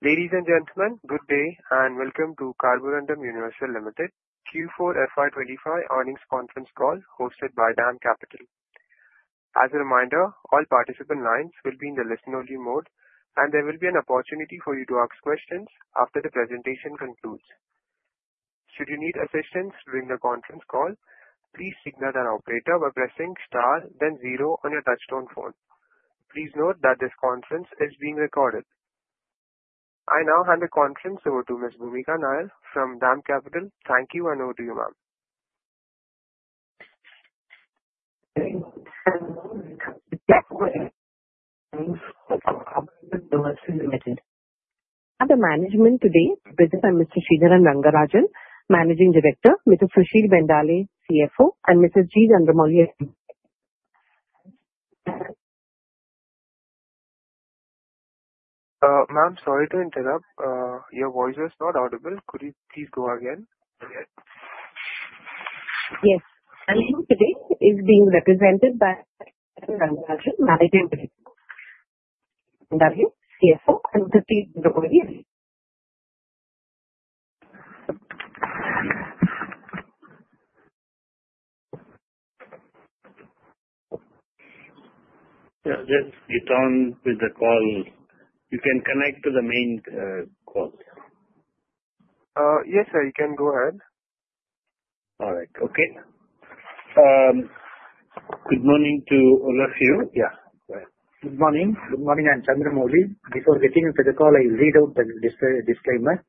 Ladies and gentlemen, good day and welcome to Carborundum Universal Limited Q4 FY 2025 earnings conference call hosted by DAM Capital. As a reminder, all participant lines will be in the listen-only mode, and there will be an opportunity for you to ask questions after the presentation concludes. Should you need assistance during the conference call, please signal the operator by pressing star, then zero on your touchstone phone. Please note that this conference is being recorded. I now hand the conference over to Ms. Bhoomika Nair from Dan Capital. Thank you, and over to you, ma'am. At the management today, present are Mr. Sridharan Rangarajan, Managing Director, Mr. Sushil Bendale, CFO, and Mr. G. Chandra Mouli. Ma'am, sorry to interrupt. Your voice was not audible. Could you please go again? Yes. Management today is being represented by Rangarajan, Managing Director, CFO, and Mr. G. Chandra Mouli. Yeah, just get on with the call. You can connect to the main call. Yes, sir. You can go ahead. All right. Okay. Good morning to all of you. Yeah, go ahead. Good morning. Good morning, I'm Chandra Moulia. Before getting into the call, I'll read out the disclaimer.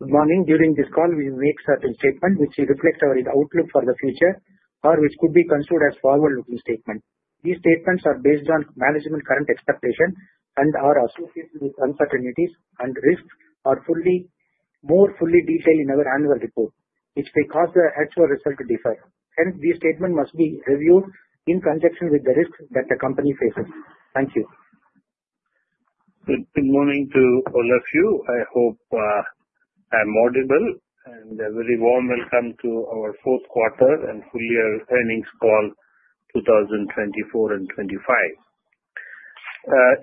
Good morning. During this call, we will make certain statements which reflect our outlook for the future or which could be considered as forward-looking statements. These statements are based on management's current expectations and are associated with uncertainties, and risks are more fully detailed in our annual report, which may cause the actual result to differ. Hence, these statements must be reviewed in conjunction with the risks that the company faces. Thank you. Good morning to all of you. I hope I'm audible. A very warm welcome to our fourth quarter and full-year earnings call, 2024 and 2025.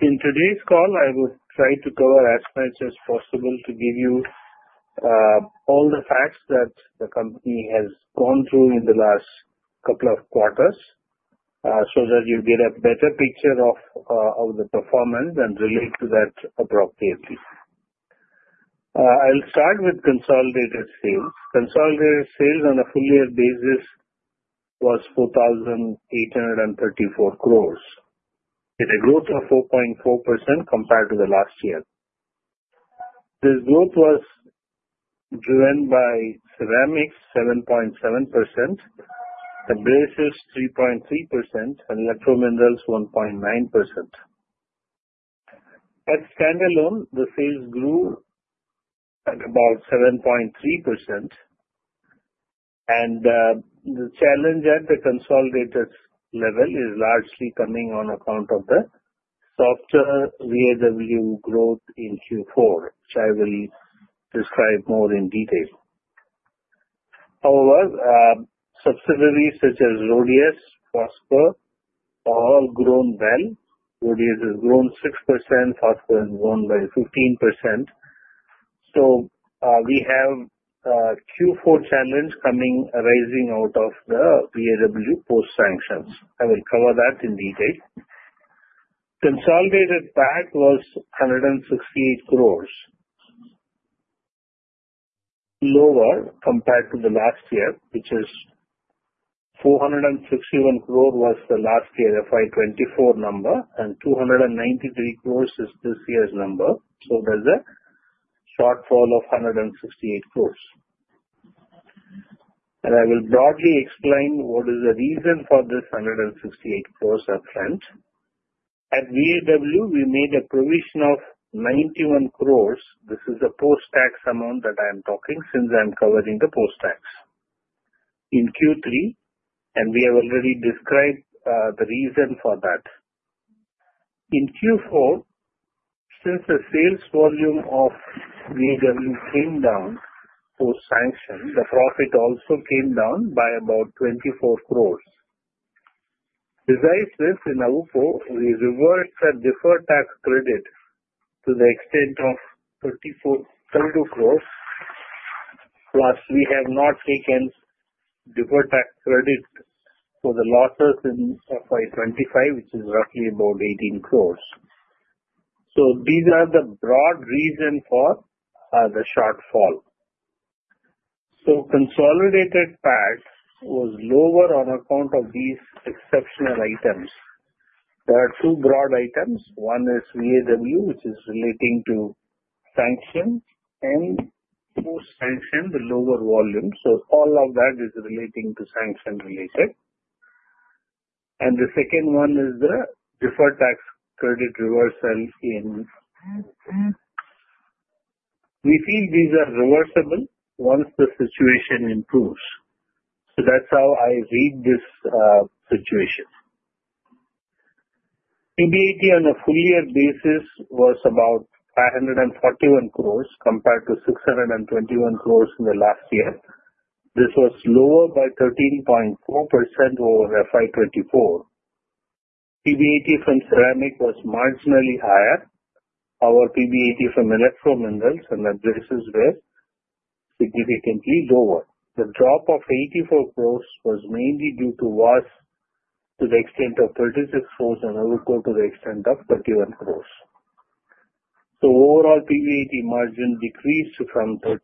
In today's call, I will try to cover as much as possible to give you all the facts that the company has gone through in the last couple of quarters so that you get a better picture of the performance and relate to that appropriately. I'll start with consolidated sales. Consolidated sales on a full-year basis was 4,834 crores, with a growth of 4.4% compared to the last year. This growth was driven by ceramics, 7.7%, abrasives 3.3%, and Electrominerals, 1.9%. At standalone, the sales grew about 7.3%. The challenge at the consolidated level is largely coming on account of the softer VAW growth in Q4, which I will describe more in detail. However, subsidiaries such as RHODIUS, Foskor have all grown well. RHODIUS has grown 6%. Foskor has grown by 15%. We have a Q4 challenge arising out of the VAW post-sanctions. I will cover that in detail. Consolidated PAT was INR 168 crores lower compared to last year, which is 461 crores was the last year, FY 2024 number, and 293 crores is this year's number. There is a shortfall of 168 crores. I will broadly explain what is the reason for this 168 crores upfront. At VAW, we made a provision of 91 crores. This is the post-tax amount that I am talking since I am covering the post-tax in Q3, and we have already described the reason for that. In Q4, since the sales volume of VAW came down post-sanctions, the profit also came down by about 24 crores. Besides this, in AWUKO, we reverted a deferred tax credit to the extent of 32 crores, plus we have not taken deferred tax credit for the losses in FY 2025, which is roughly about 18 crores. These are the broad reasons for the shortfall. Consolidated PAT was lower on account of these exceptional items. There are two broad items. One is VAW, which is relating to sanctions, and post-sanctions, the lower volume. All of that is relating to sanction-related. The second one is the deferred tax credit reversal. We feel these are reversible once the situation improves. That is how I read this situation. PBIT on a full-year basis was about 541 crores compared to 621 crores in the last year. This was lower by 13.4% over FY 2024. PBIT from ceramics was marginally higher. Our PBIT from Electrominerals and abrasives were significantly lower. The drop of 84 crores was mainly due to loss to the extent of 36 crores and will go to the extent of 31 crores. Overall, PBIT margin decreased from 13.5%-11.2%.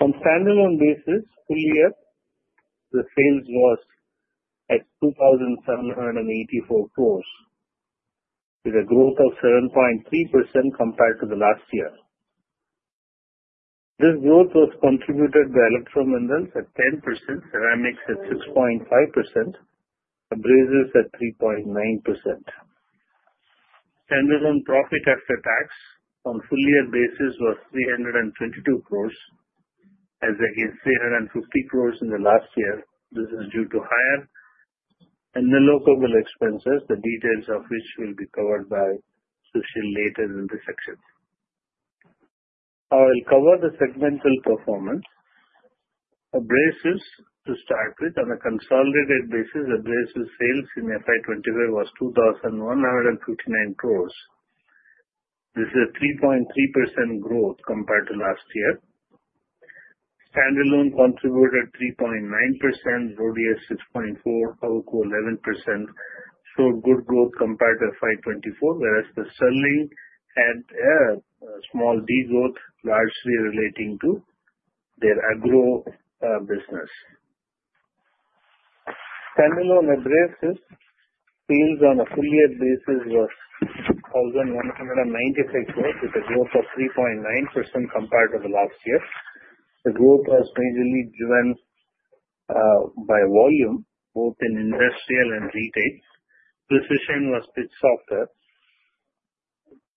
On a standalone basis, full-year, the sales was at 2,784 crores, with a growth of 7.3% compared to the last year. This growth was contributed by Electrominerals at 10%, ceramics at 6.5%, and abrasives at 3.9%. Standalone profit after tax on a full-year basis was 322 crores, as against 350 crores in the last year. This is due to higher and low-code expenses, the details of which will be covered by Sushil later in the section. I will cover the segmental performance. The abrasives, to start with, on a consolidated basis, the abrasives sales in FY 2025 was 2,159 crores. This is a 3.3% growth compared to last year. Standalone contributed 3.9%, RHODIUS 6.4%, AWUKO 11%, showed good growth compared to FY 2024, whereas the selling had a small degrowth, largely relating to their agro business. Standalone abrasives sales on a full-year basis was 1,196 crores, with a growth of 3.9% compared to the last year. The growth was majorly driven by volume, both in industrial and retail. Precision was a bit softer.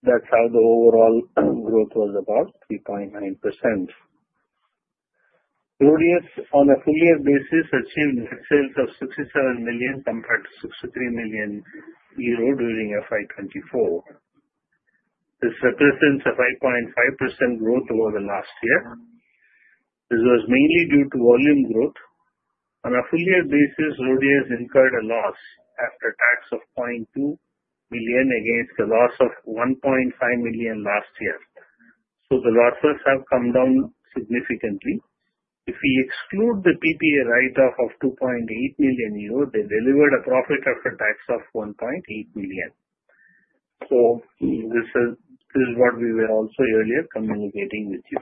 That's how the overall growth was about 3.9%. RHODIUS, on a full-year basis, achieved net sales of 67 million compared to 63 million euro during FY24. This represents a 5.5% growth over the last year. This was mainly due to volume growth. On a full-year basis, RHODIUS incurred a loss after tax of 0.2 million against a loss of 1.5 million last year. The losses have come down significantly. If we exclude the PPA write-off of 2.8 million euro, they delivered a profit after tax of 1.8 million. This is what we were also earlier communicating with you.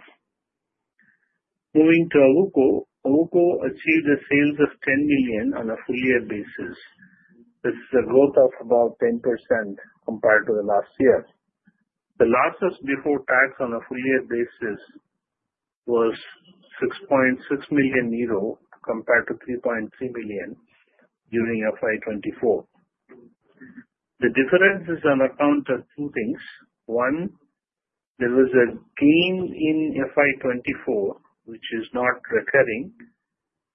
Moving to AWUKO, AWUKO achieved a sales of 10 million on a full-year basis. This is a growth of about 10% compared to the last year. The losses before tax on a full-year basis was 6.6 million euro compared to 3.3 million during FY24. The difference is on account of two things. One, there was a gain in FY24, which is not recurring,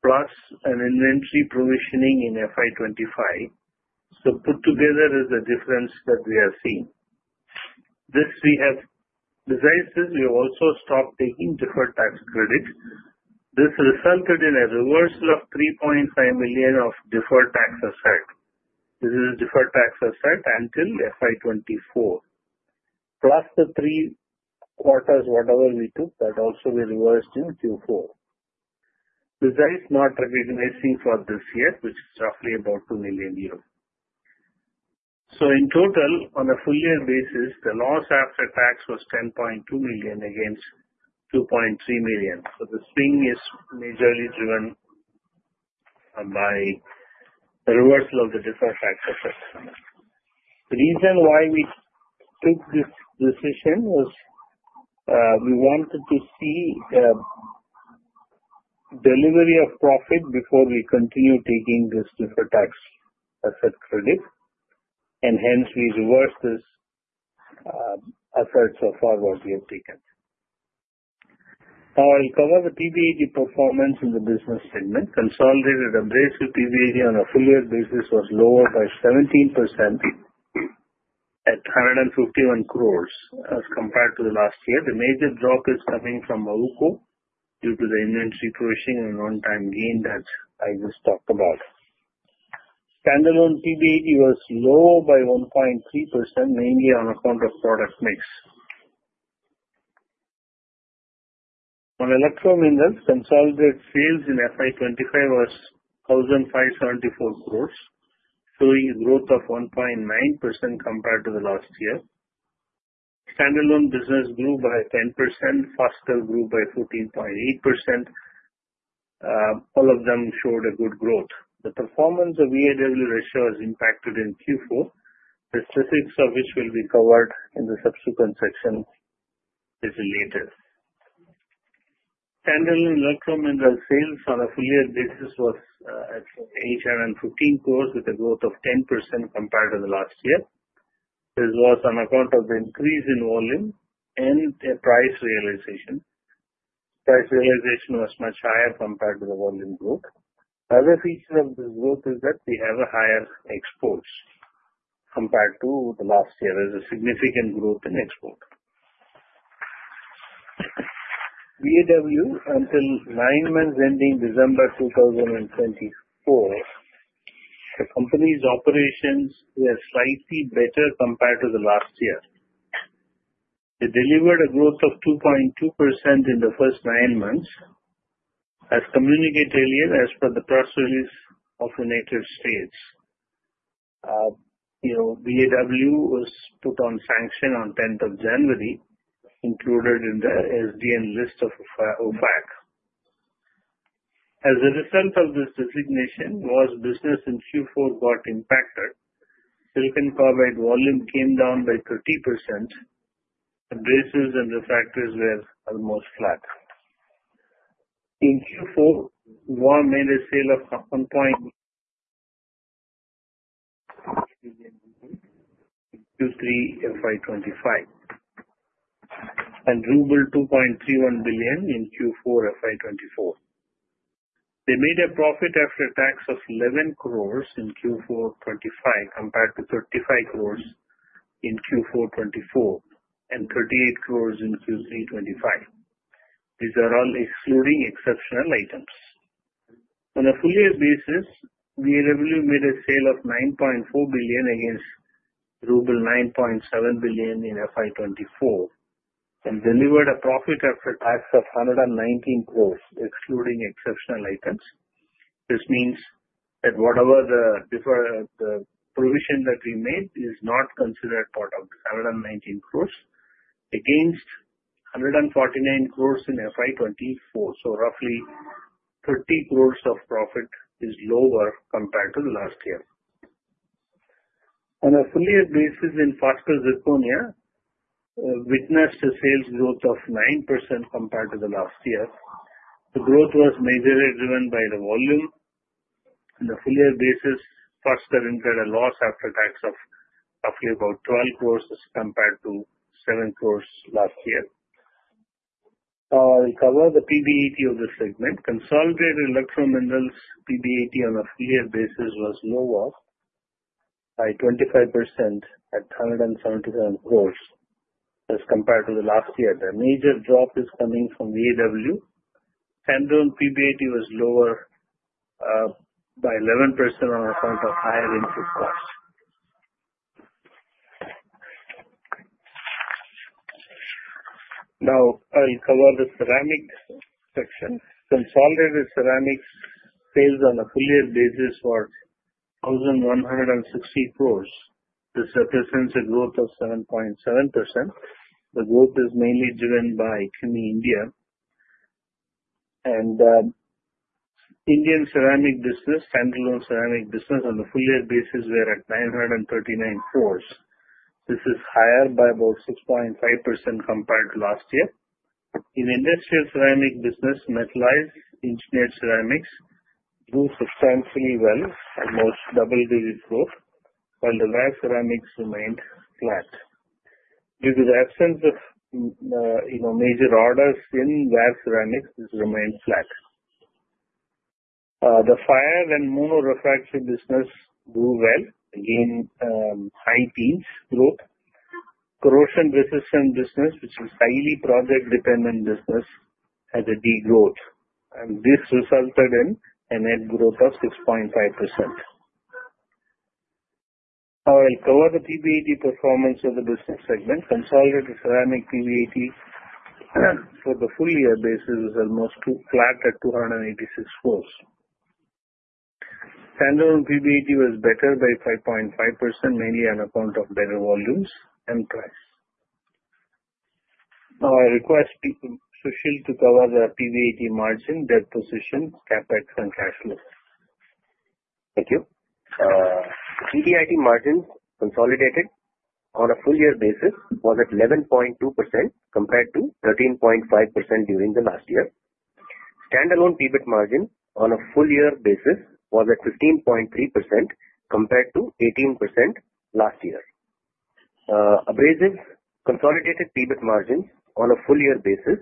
plus an inventory provisioning in FY25. Put together, there is a difference that we are seeing. Besides this, we have also stopped taking deferred tax credit. This resulted in a reversal of 3.5 million of deferred tax asset. This is a deferred tax asset until FY24, plus the three quarters, whatever we took, that also we reversed in Q4. Besides, not recognizing for this year, which is roughly about 2 million euros. In total, on a full-year basis, the loss after tax was 10.2 million against 2.3 million. The swing is majorly driven by the reversal of the deferred tax asset. The reason why we took this decision was we wanted to see delivery of profit before we continue taking this deferred tax asset credit. Hence, we reversed this effort so far what we have taken. Now, I'll cover the PBIT performance in the business segment. Consolidated abrasives PBIT on a full-year basis was lower by 17% at 151 crores as compared to the last year. The major drop is coming from AWUKO due to the inventory provisioning and on-time gain that I just talked about. Standalone PBIT was lower by 1.3%, mainly on account of product mix. On Electrominerals, consolidated sales in FY25 was 1,574 crores, showing a growth of 1.9% compared to the last year. Standalone business grew by 10%. Phosphor grew by 14.8%. All of them showed a good growth. The performance of VAW ratio was impacted in Q4. The specifics of which will be covered in the subsequent section is related. Standalone Electromineral sales on a full-year basis was at 815 crores with a growth of 10% compared to the last year. This was on account of the increase in volume and price realization. Price realization was much higher compared to the volume growth. Another feature of this growth is that we have a higher exports compared to the last year. There's a significant growth in export. VAW until nine months ending December 2024, the company's operations were slightly better compared to the last year. They delivered a growth of 2.2% in the first nine months as communicated earlier as per the press release of the United States. VAW was put on sanction on 10th of January, included in the SDN list of OFAC. As a result of this designation, most business in Q4 got impacted. Silicon carbide volume came down by 30%. Abrasives and refractories were almost flat. In Q4, VAW made a sale of RUB 1.83 billion in Q3 FY2025 and 2.31 million in Q4 FY2024. They made a profit after tax of 11 crores in Q4 2025 compared to 35 crores in Q4 2024 and 38 crores in Q3 2025. These are all excluding exceptional items. On a full-year basis, VAW made a sale of 9.4 billion against ruble 9.7 billion in FY24 and delivered a profit after tax of 119 crores, excluding exceptional items. This means that whatever the provision that we made is not considered part of the 119 crores against 149 crores in FY24. So roughly 30 crores of profit is lower compared to the last year. On a full-year basis, in Foskor Zirconia, we witnessed a sales growth of 9% compared to the last year. The growth was majorly driven by the volume. On a full-year basis, Foskor incurred a loss after tax of roughly about 12 crores compared to 7 crores last year. I'll cover the PBIT of this segment. Consolidated Electrominerals PBIT on a full-year basis was lower by 25% at 177 crores as compared to the last year. The major drop is coming from VAW. Standalone PBIT was lower by 11% on account of higher input costs. Now, I'll cover the Ceramic section. Consolidated Ceramics sales on a full-year basis was 1,160 crores. This represents a growth of 7.7%. The growth is mainly driven by CUMI India. Indian Ceramic business, standalone ceramic business, on a full-year basis were at 939 crores. This is higher by about 6.5% compared to last year. In Industrial Ceramic business, metalized engineered ceramics grew substantially well at almost double-digit growth, while the wear-ceramics remained flat. Due to the absence of major orders in wear-ceramics, this remained flat. The fire and mono refractory business grew well, again high teens growth. Corrosion-resistant business, which is highly project-dependent business, had a degrowth. This resulted in a net growth of 6.5%. Now, I'll cover the PBIT performance of the business segment. Consolidated Ceramic PBIT for the full-year basis was almost flat at 286 crores. Standalone PBIT was better by 5.5%, mainly on account of better volumes and price. Now, I request Sushil to cover the PBIT margin, debt position, CapEx, and cash flow. Thank you. The PBIT margin consolidated on a full-year basis was at 11.2% compared to 13.5% during the last year. Standalone PBIT margin on a full-year basis was at 15.3% compared to 18% last year. Abrasive consolidated PBIT margins on a full-year basis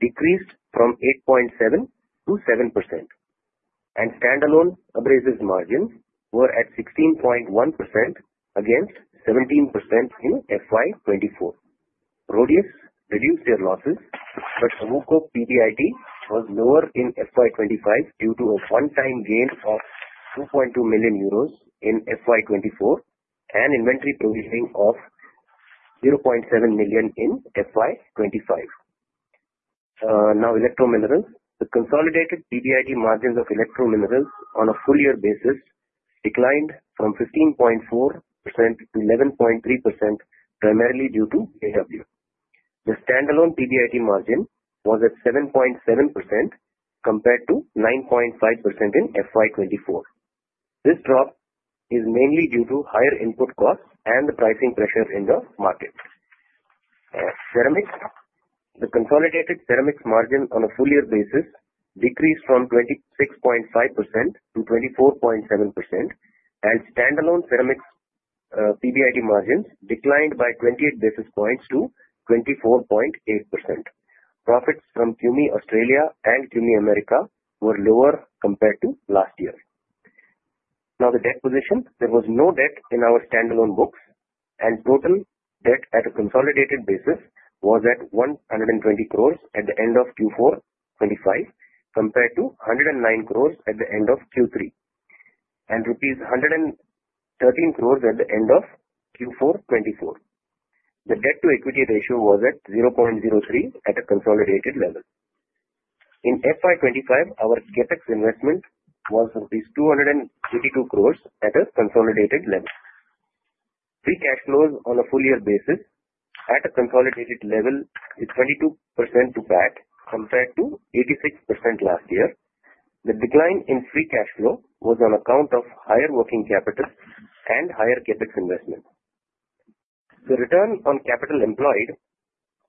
decreased from 8.7% to 7%. Standalone abrasive margins were at 16.1% against 17% in FY24. RHODIUS reduced their losses, but AWUKO PBIT was lower in FY25 due to a one-time gain of 2.2 million euros in FY24 and inventory provisioning of 0.7 million in FY25. Now, Electrominerals. The Consolidated PBIT margins of Electrominerals on a full-year basis declined from 15.4%-11.3% primarily due to VAW. The Standalone PBIT margin was at 7.7% compared to 9.5% in FY24. This drop is mainly due to higher input costs and the pricing pressure in the market. Ceramics, the Consolidated Ceramics margin on a full-year basis decreased from 26.5%-24.7%, and Standalone Ceramics PBIT margins declined by 28 basis points to 24.8%. Profits from CUMI Australia and CUMI America were lower compared to last year. Now, the debt position. There was no debt in our standalone books, and total debt at a consolidated basis was at 120 crore at the end of Q4 2025 compared to 109 crores at the end of Q3 and rupees 113 crores at the end of Q4 2024. The debt-to-equity ratio was at 0.03 at a consolidated level. In FY25, our CapEx investment was rupees 282 crores at a consolidated level. Free cash flows on a full-year basis at a consolidated level is 22% to PBIT compared to 86% last year. The decline in free cash flow was on account of higher working capital and higher CapEx investment. The return on capital employed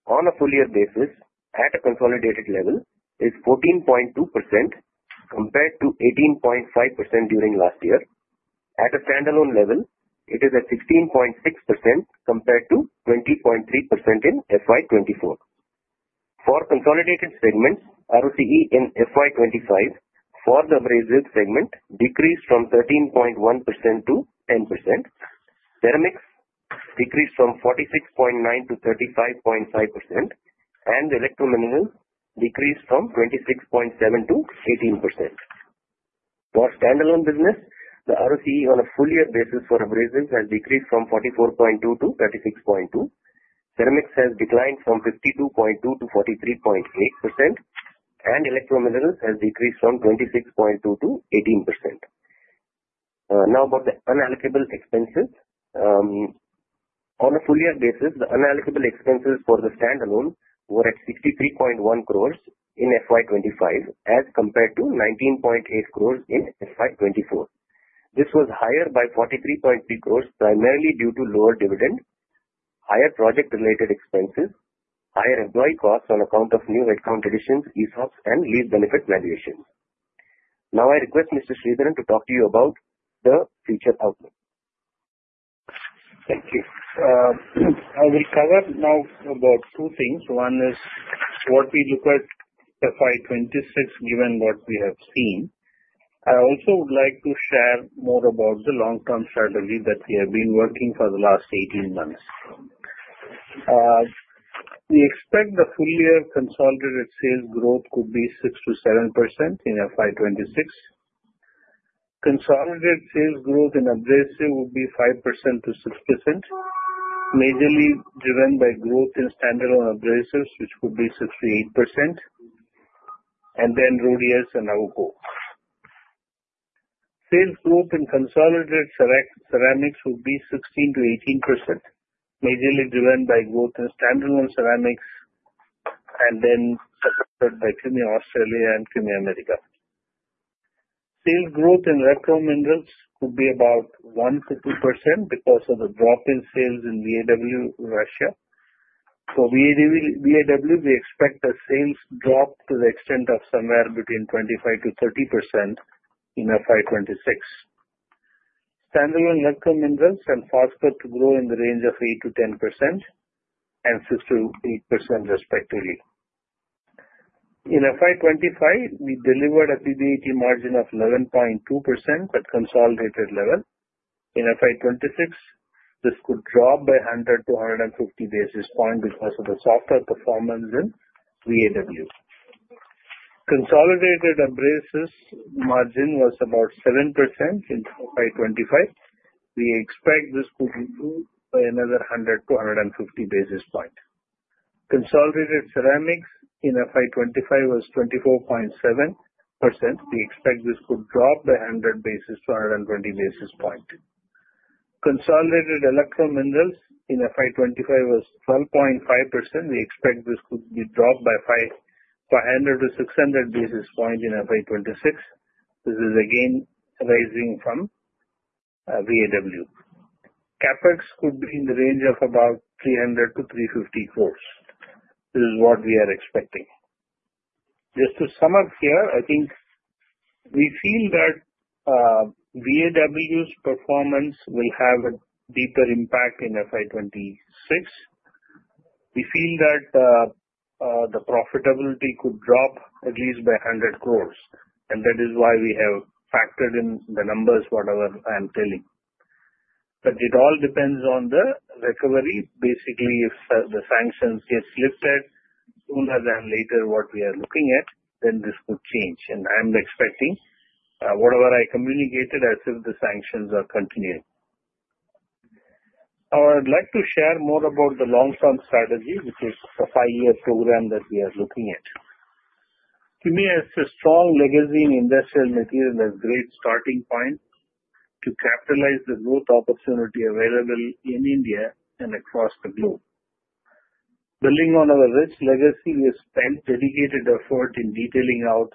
on a full-year basis at a consolidated level is 14.2% compared to 18.5% during last year. At a standalone level, it is at 16.6% compared to 20.3% in FY24. For consolidated segments, ROCE in FY25 for the Abrasives segment decreased from 13.1%-10%. Ceramics decreased from 46.9%-35.5%, and the Electrominerals decreased from 26.7%-18%. For standalone business, the ROCE on a full-year basis for abrasives has decreased from 44.2%-36.2%. Ceramics has declined from 52.2%-43.8%, and Electrominerals has decreased from 26.2%-18%. Now, about the unallocable expenses. On a full-year basis, the unallocable expenses for the standalone were at 63.1 croresin FY25 as compared to 19.8 crores in FY24. This was higher by 43.3 croresprimarily due to lower dividend, higher project-related expenses, higher employee costs on account of new headcount additions, ESOPs, and leave benefit valuations. Now, I request Mr. Sridharan to talk to you about the future outlook. Thank you. I will cover now about two things. One is what we look at FY26 given what we have seen. I also would like to share more about the long-term strategy that we have been working for the last 18 months. We expect the full-year consolidated sales growth could be 6%-7% in FY26. Consolidated sales growth in Abrasive would be 5%-6%, majorly driven by growth in Standalone Abrasives, which could be 6%-8%, and then RHODIUS and AWUKO. Sales growth in Consolidated Ceramics would be 16%-18%, majorly driven by growth in Standalone Ceramics and then supported by CUMI Australia and CUMI America. Sales growth in Electrominerals could be about 1%-2% because of the drop in sales in VAW Russia. For VAW, we expect a sales drop to the extent of somewhere between 25%-30% in FY26. Standalone Electrominerals and Foskor to grow in the range of 8%-10% and 6%-8% respectively. In FY25, we delivered a PBIT margin of 11.2% at consolidated level. In FY26, this could drop by 100-150 basis points because of the softer performance in VAW. Consolidated Abrasives margin was about 7% in FY25. We expect this could improve by another 100-150 basis points. Consolidated Ceramics in FY25 was 24.7%. We expect this could drop by 100-120 basis points. Consolidated Electrominerals in FY25 was 12.5%. We expect this could be dropped by 100-600 basis points in FY26. This is again rising from VAW. CapEx could be in the range of 300 crores-350 crores. This is what we are expecting. Just to sum up here, I think we feel that VAW's performance will have a deeper impact in FY26. We feel that the profitability could drop at least by 100 crores, and that is why we have factored in the numbers whatever I'm telling. It all depends on the recovery. Basically, if the sanctions get lifted sooner than later what we are looking at, then this could change. I'm expecting whatever I communicated as if the sanctions are continuing. Now, I'd like to share more about the long-term strategy, which is the five-year program that we are looking at. CUMI has a strong legacy in industrial material as a great starting point to capitalize the growth opportunity available in India and across the globe. Building on our rich legacy, we have spent dedicated effort in detailing out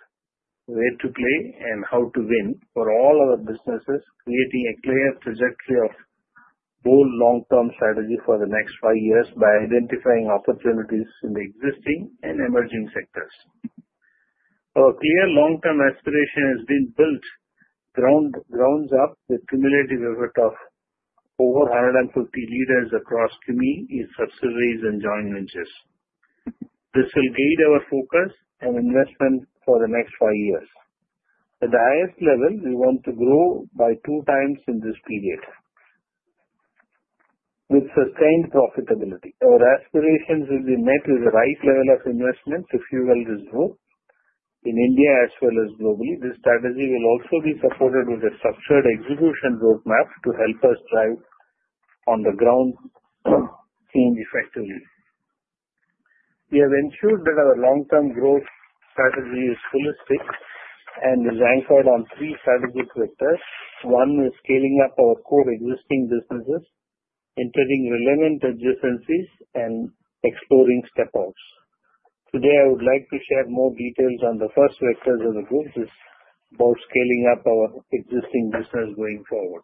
where to play and how to win for all our businesses, creating a clear trajectory of bold long-term strategy for the next five years by identifying opportunities in the existing and emerging sectors. Our clear long-term aspiration has been built grounds up with cumulative effort of over 150 leaders across CUMI, its subsidiaries, and joint ventures. This will guide our focus and investment for the next five years. At the highest level, we want to grow by two times in this period with sustained profitability. Our aspirations will be met with the right level of investment, if you will resolve in India as well as globally. This strategy will also be supported with a structured execution roadmap to help us drive on-the-ground change effectively. We have ensured that our long-term growth strategy is holistic and is anchored on three strategic factors. One is scaling up our core existing businesses, entering relevant adjacencies, and exploring step-outs. Today, I would like to share more details on the first vectors of the group. This is about scaling up our existing business going forward.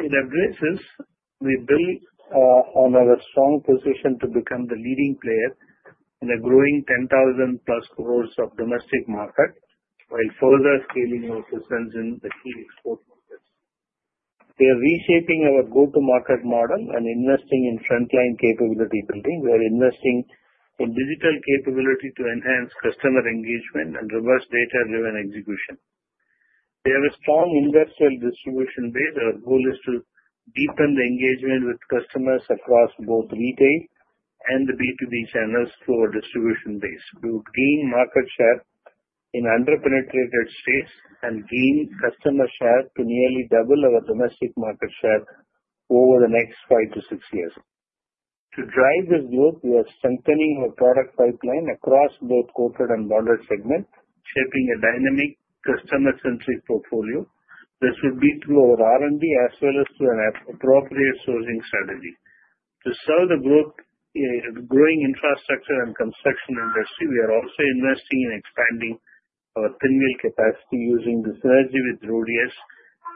In abrasives, we build on our strong position to become the leading player in a growing 10,000-plus crores domestic market while further scaling our presence in the key export markets. We are reshaping our go-to-market model and investing in frontline capability building. We are investing in digital capability to enhance customer engagement and reverse data-driven execution. We have a strong industrial distribution base. Our goal is to deepen the engagement with customers across both retail and the B2B channels through our distribution base to gain market share in under-penetrated states and gain customer share to nearly double our domestic market share over the next five to six years. To drive this growth, we are strengthening our product pipeline across both corporate and bonded segments, shaping a dynamic customer-centric portfolio. This would be through our R&D as well as through an appropriate sourcing strategy. To serve the growing infrastructure and construction industry, we are also investing in expanding our thin-wheel capacity using the synergy with RHODIUS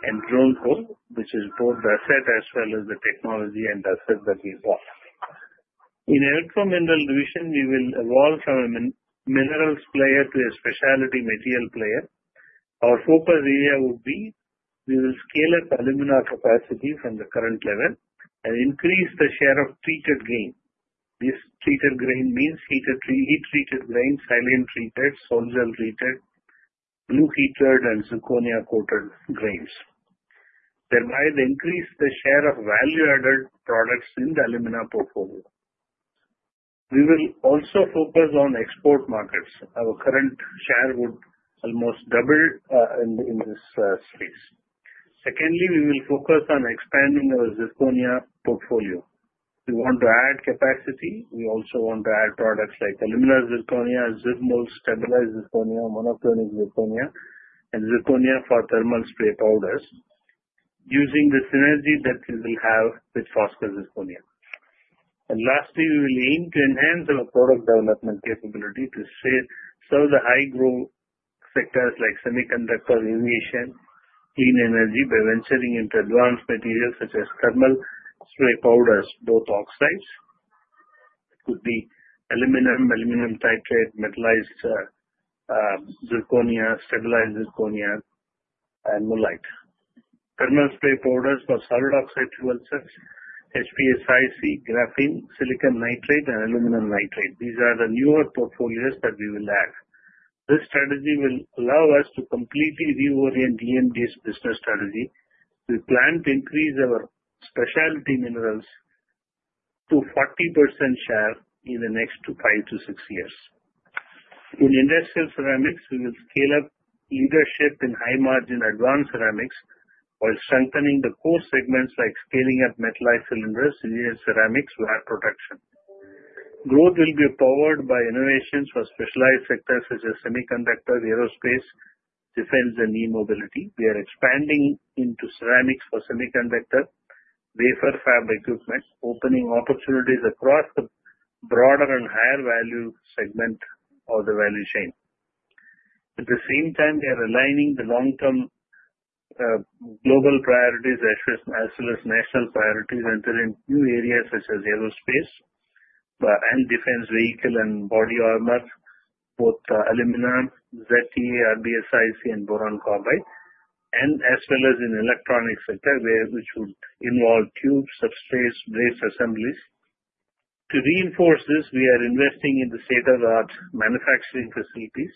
and Dronco, which is both the asset as well as the technology and asset that we bought. In Electromineral division, we will evolve from a minerals player to a specialty material player. Our focus area would be we will scale up alumina capacity from the current level and increase the share of treated grain. This treated grain means heat-treated grain, silane-treated, sol-gel-treated, blue-heated, and zirconia-coated grains. Thereby, they increase the share of value-added products in the alumina portfolio. We will also focus on export markets. Our current share would almost double in this space. Secondly, we will focus on expanding our zirconia portfolio. We want to add capacity. We also want to add products like alumina zirconia, stabilized zirconia, monoclinic zirconia, and zirconia for thermal spray powders using the synergy that we will have with Foskor Zirconia. Lastly, we will aim to enhance our product development capability to serve the high-growth sectors like semiconductor, aviation, clean energy by venturing into advanced materials such as thermal spray powders, both oxides. It could be alumina, alumina titrate, metalized zirconia, stabilized zirconia, and mullite. Thermal spray powders for solid oxide fuel cells, HPSIC, graphene, silicon nitride, and alumina nitride. These are the newer portfolios that we will add. This strategy will allow us to completely reorient EMD's business strategy. We plan to increase our specialty minerals to 40% share in the next five to six years. In industrial ceramics, we will scale up leadership in high-margin advanced ceramics while strengthening the core segments like scaling up metalized cylinders, serial ceramics, and wire production. Growth will be powered by innovations for specialized sectors such as semiconductors, aerospace, defense, and e-mobility. We are expanding into ceramics for semiconductor, wafer fab equipment, opening opportunities across the broader and higher-value segment of the value chain. At the same time, we are aligning the long-term global priorities as well as national priorities entering new areas such as aerospace and defense vehicle and body armor, both alumina, ZTA, RBSiC, and boron carbide, and as well as in the electronic sector, which would involve tubes, substrates, brace assemblies. To reinforce this, we are investing in the state-of-the-art manufacturing facilities,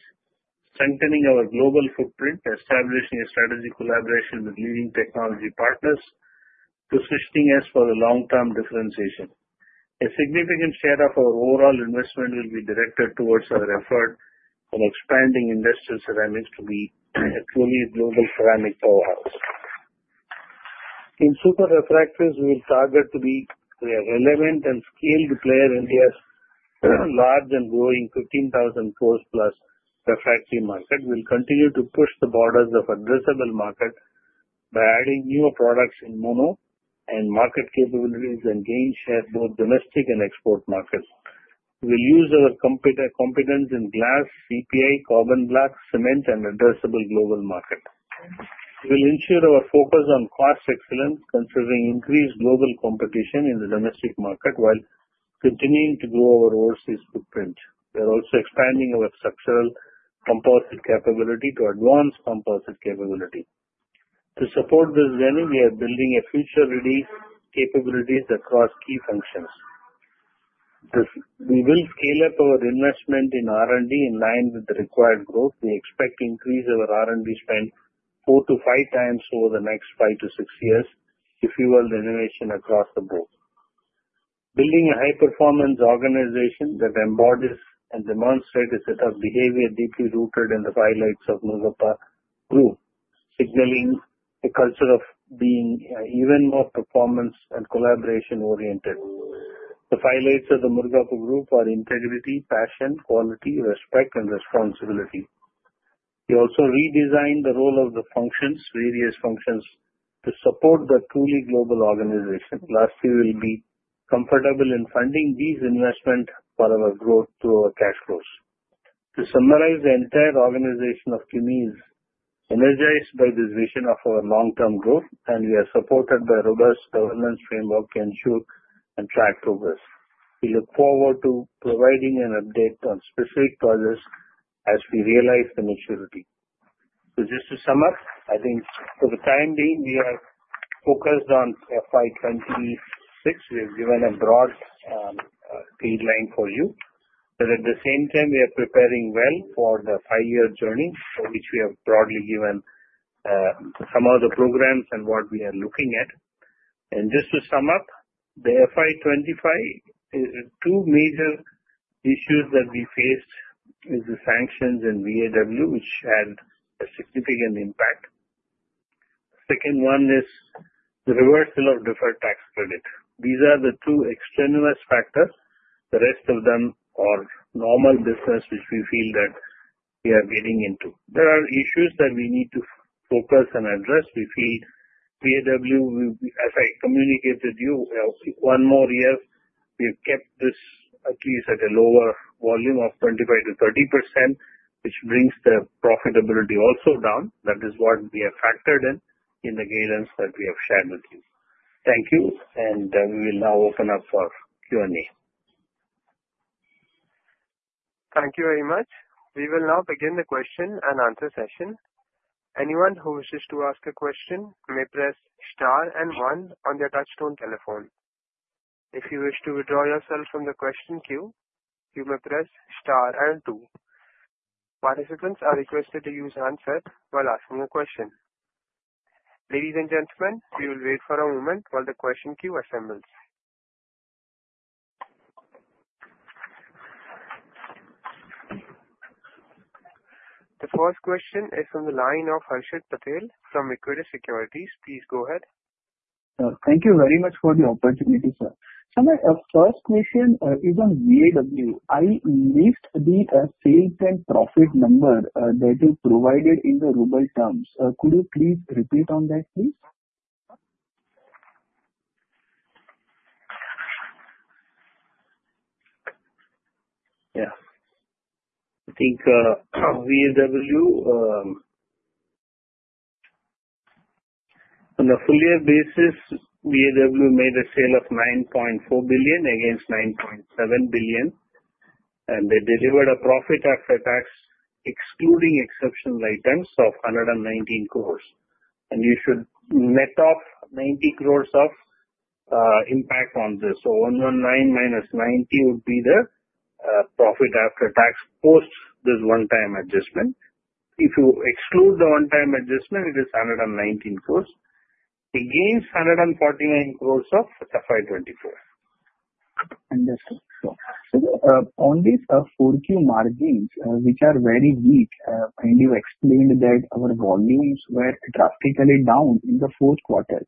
strengthening our global footprint, establishing a strategic collaboration with leading technology partners, positioning us for the long-term differentiation. A significant share of our overall investment will be directed towards our effort of expanding industrial ceramics to be a truly global ceramic powerhouse. In super refractors, we will target to be a relevant and scaled player in India's large and growing 15,000 crores plus refractory market. We will continue to push the borders of addressable market by adding newer products in mono and market capabilities and gain share both domestic and export markets. We will use our competence in glass, CPI, carbon blocks, cement, and addressable global market. We will ensure our focus on cost excellence, considering increased global competition in the domestic market while continuing to grow our overseas footprint. We are also expanding our structural composite capability to advanced composite capability. To support this journey, we are building a future-ready capabilities across key functions. We will scale up our investment in R&D in line with the required growth. We expect to increase our R&D spend four to five times over the next five to six years if we want innovation across the board. Building a high-performance organization that embodies and demonstrates a set of behavior deeply rooted in the five lights of Murugappa Group, signaling a culture of being even more performance and collaboration-oriented. The five lights of the Murugappa Group are integrity, passion, quality, respect, and responsibility. We also redesigned the role of the functions, various functions, to support the truly global organization. Lastly, we will be comfortable in funding these investments for our growth through our cash flows. To summarize, the entire organization of CUMI is energized by this vision of our long-term growth, and we are supported by a robust governance framework to ensure and track progress. We look forward to providing an update on specific projects as we realize the maturity. Just to sum up, I think for the time being, we are focused on FY26. We have given a broad guideline for you. At the same time, we are preparing well for the five-year journey for which we have broadly given some of the programs and what we are looking at. Just to sum up, for FY25, two major issues that we faced are the sanctions in VAW, which had a significant impact. The second one is the reversal of deferred tax credit. These are the two extraneous factors. The rest of them are normal business, which we feel that we are getting into. There are issues that we need to focus and address. We feel VAW, as I communicated to you, one more year, we have kept this at least at a lower volume of 25%-30%, which brings the profitability also down. That is what we have factored in in the guidance that we have shared with you. Thank you. We will now open up for Q&A. Thank you very much. We will now begin the question and answer session. Anyone who wishes to ask a question may press star and one on their touchstone telephone. If you wish to withdraw yourself from the question queue, you may press star and two. Participants are requested to use hands up while asking a question. Ladies and gentlemen, we will wait for a moment while the question queue assembles. The first question is from the line of Harshad Patel from Equitas Securities. Please go ahead. Thank you very much for the opportunity, sir. Sir, my first question is on VAW. I missed the sales and profit number that you provided in the ruble terms. Could you please repeat on that, please? Yeah. I think VAW, on a full-year basis, VAW made a sale of 9.4 billion against 9.7 billion. They delivered a profit after tax, excluding exceptional items, of 119 crores. You should net off 90 crores of impact on this. 119 crores minus 90 crores would be the profit after tax post this one-time adjustment. If you exclude the one-time adjustment, it is 119 crores. It gains 149 crores of FY24. Understood. On these fourth quarter margins, which are very weak, and you explained that our volumes were drastically down in the fourth quarter.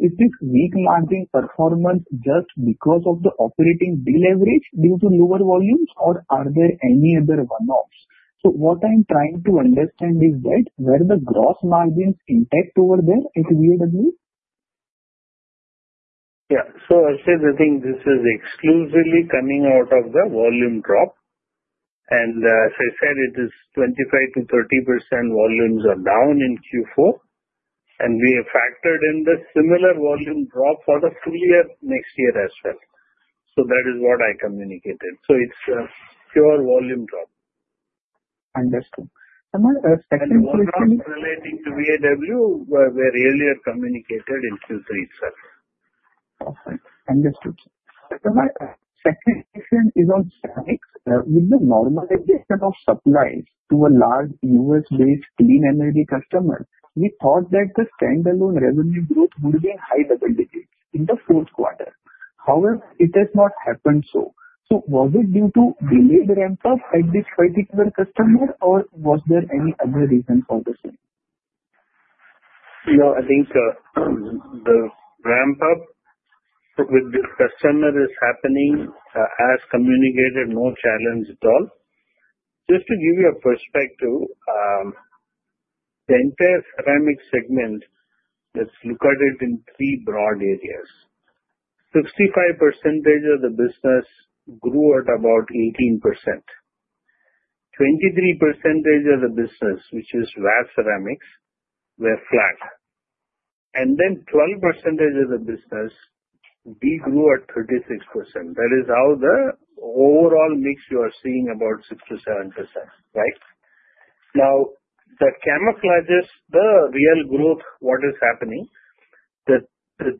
Is this weak margin performance just because of the operating bill leverage due to lower volumes, or are there any other one-offs? What I'm trying to understand is, were the gross margins intact over there at VAW? Yeah. I'll say the thing is this is exclusively coming out of the volume drop. As I said, it is 25%-30% volumes are down in Q4. We have factored in the similar volume drop for the full year next year as well. That is what I communicated. It's a pure volume drop. Understood. Sir, my second question. Volumes relating to VAW were earlier communicated in Q3 itself. Perfect. Understood, sir. Sir, my second question is on Ceramics. With the normalization of supplies to a large U.S.-based clean energy customer, we thought that the standalone revenue growth would be high-level decrease in the fourth quarter. However, it has not happened so. Was it due to delayed ramp-up at this particular customer, or was there any other reason for the sale? Yeah. I think the ramp-up with this customer is happening, as communicated, no challenge at all. Just to give you a perspective, the entire Ceramics segment is looked at in three broad areas. 65% of the business grew at about 18%. 23% of the business, which is Wear Ceramics, were flat. And then 12% of the business, we grew at 36%. That is how the overall mix you are seeing about 6-7%, right? Now, that camouflages the real growth, what is happening. The 12%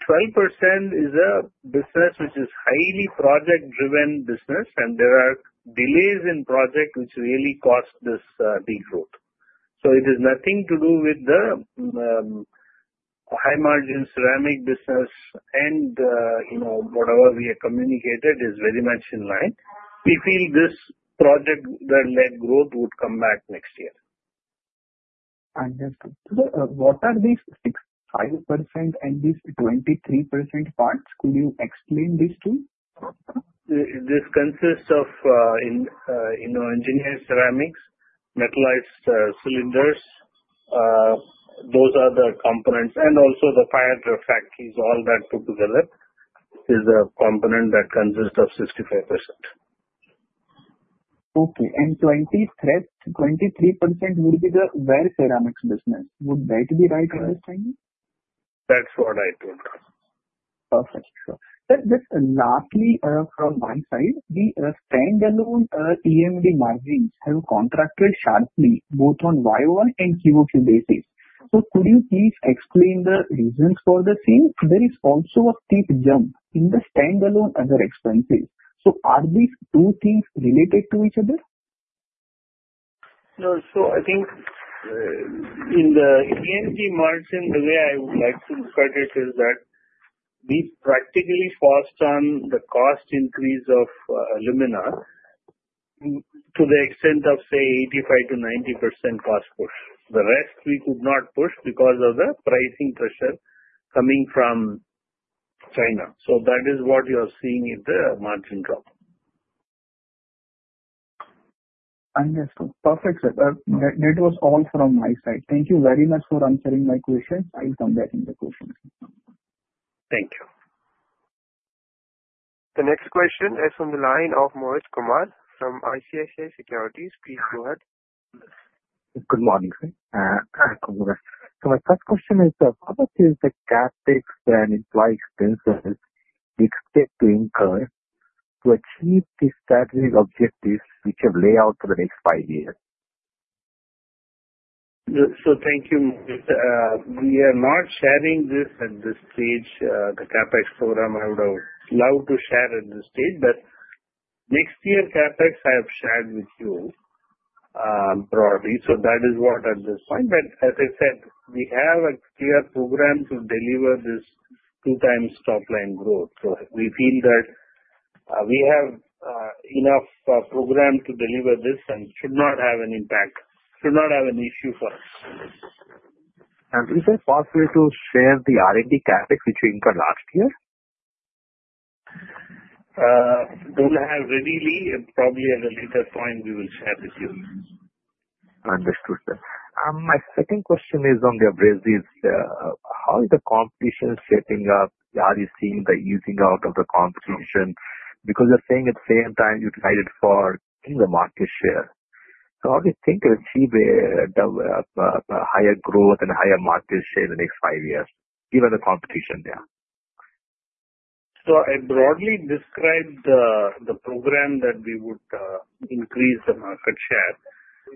is a business which is highly project-driven business, and there are delays in projects which really cause this degrowth. It has nothing to do with the high-margin ceramics business, and whatever we have communicated is very much in line. We feel this project-led growth would come back next year. Understood. Sir, what are these 65% and these 23% parts? Could you explain these two? This consists of engineered ceramics, metalized cylinders. Those are the components. Also the fiber factories, all that put together is a component that consists of 65%. Okay. And 23% would be the Wear Ceramics business. Would that be right understanding? That's what I told. Perfect. Sir, just lastly from my side, the standalone EMD margins have contracted sharply, both on Y-o-Y and Q-o-Q basis. Could you please explain the reasons for the same? There is also a steep jump in the standalone other expenses. Are these two things related to each other? No. I think in the EMD margin, the way I would like to look at it is that we practically forced on the cost increase of alumina to the extent of, say, 85%-90% cost push. The rest, we could not push because of the pricing pressure coming from China. That is what you are seeing in the margin drop. Understood. Perfect, sir. That was all from my side. Thank you very much for answering my questions. I'll come back in the questions. Thank you. The next question is from the line of Mohit Kumar from ICICI Securities. Please go ahead. Good morning, sir. Sir, my first question is, how much is the CapEx and implied expenses you expect to incur to achieve these strategic objectives which you have laid out for the next five years? Thank you, Mohit. We are not sharing this at this stage. The CapEx program, I would have loved to share at this stage. Next year's CapEx, I have shared with you broadly. That is what at this point. As I said, we have a clear program to deliver this two-times top-line growth. We feel that we have enough program to deliver this and should not have an impact, should not have an issue for us. Is it possible to share the R&D CapEx which you incurred last year? Don't have readily. Probably at a later point, we will share with you. Understood, sir. My second question is on the abrasives. How is the competition shaping up? Are you seeing the easing out of the competition? Because you're saying at the same time you're excited for the market share. How do you think you'll achieve a higher growth and a higher market share in the next five years, given the competition there? I broadly described the program that we would increase the market share.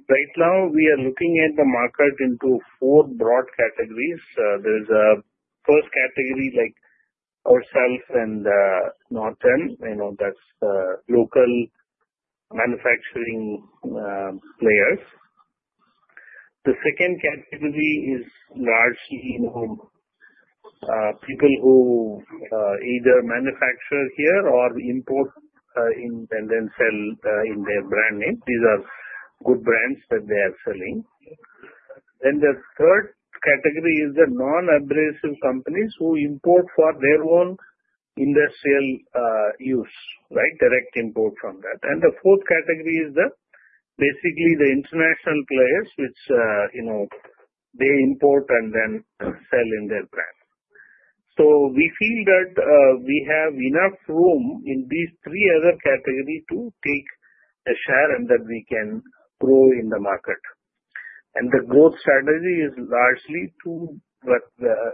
Right now, we are looking at the market in four broad categories. There is a first category like ourselves and Norton. That is local manufacturing players. The second category is largely people who either manufacture here or import and then sell in their brand name. These are good brands that they are selling. The third category is the non-abrasive companies who import for their own industrial use, right? Direct import from that. The fourth category is basically the international players, which they import and then sell in their brand. We feel that we have enough room in these three other categories to take a share and that we can grow in the market. The growth strategy is largely two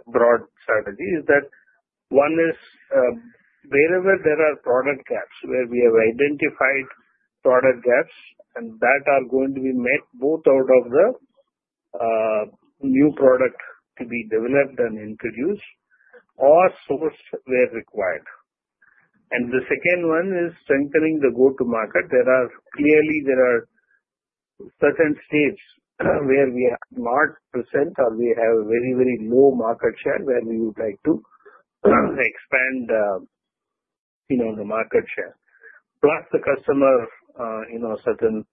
broad strategies. One is wherever there are product gaps, where we have identified product gaps, and that are going to be met both out of the new product to be developed and introduced or sourced where required. The second one is strengthening the go-to-market. Clearly, there are certain states where we are not present or we have very, very low market share where we would like to expand the market share. Plus, the customer, certain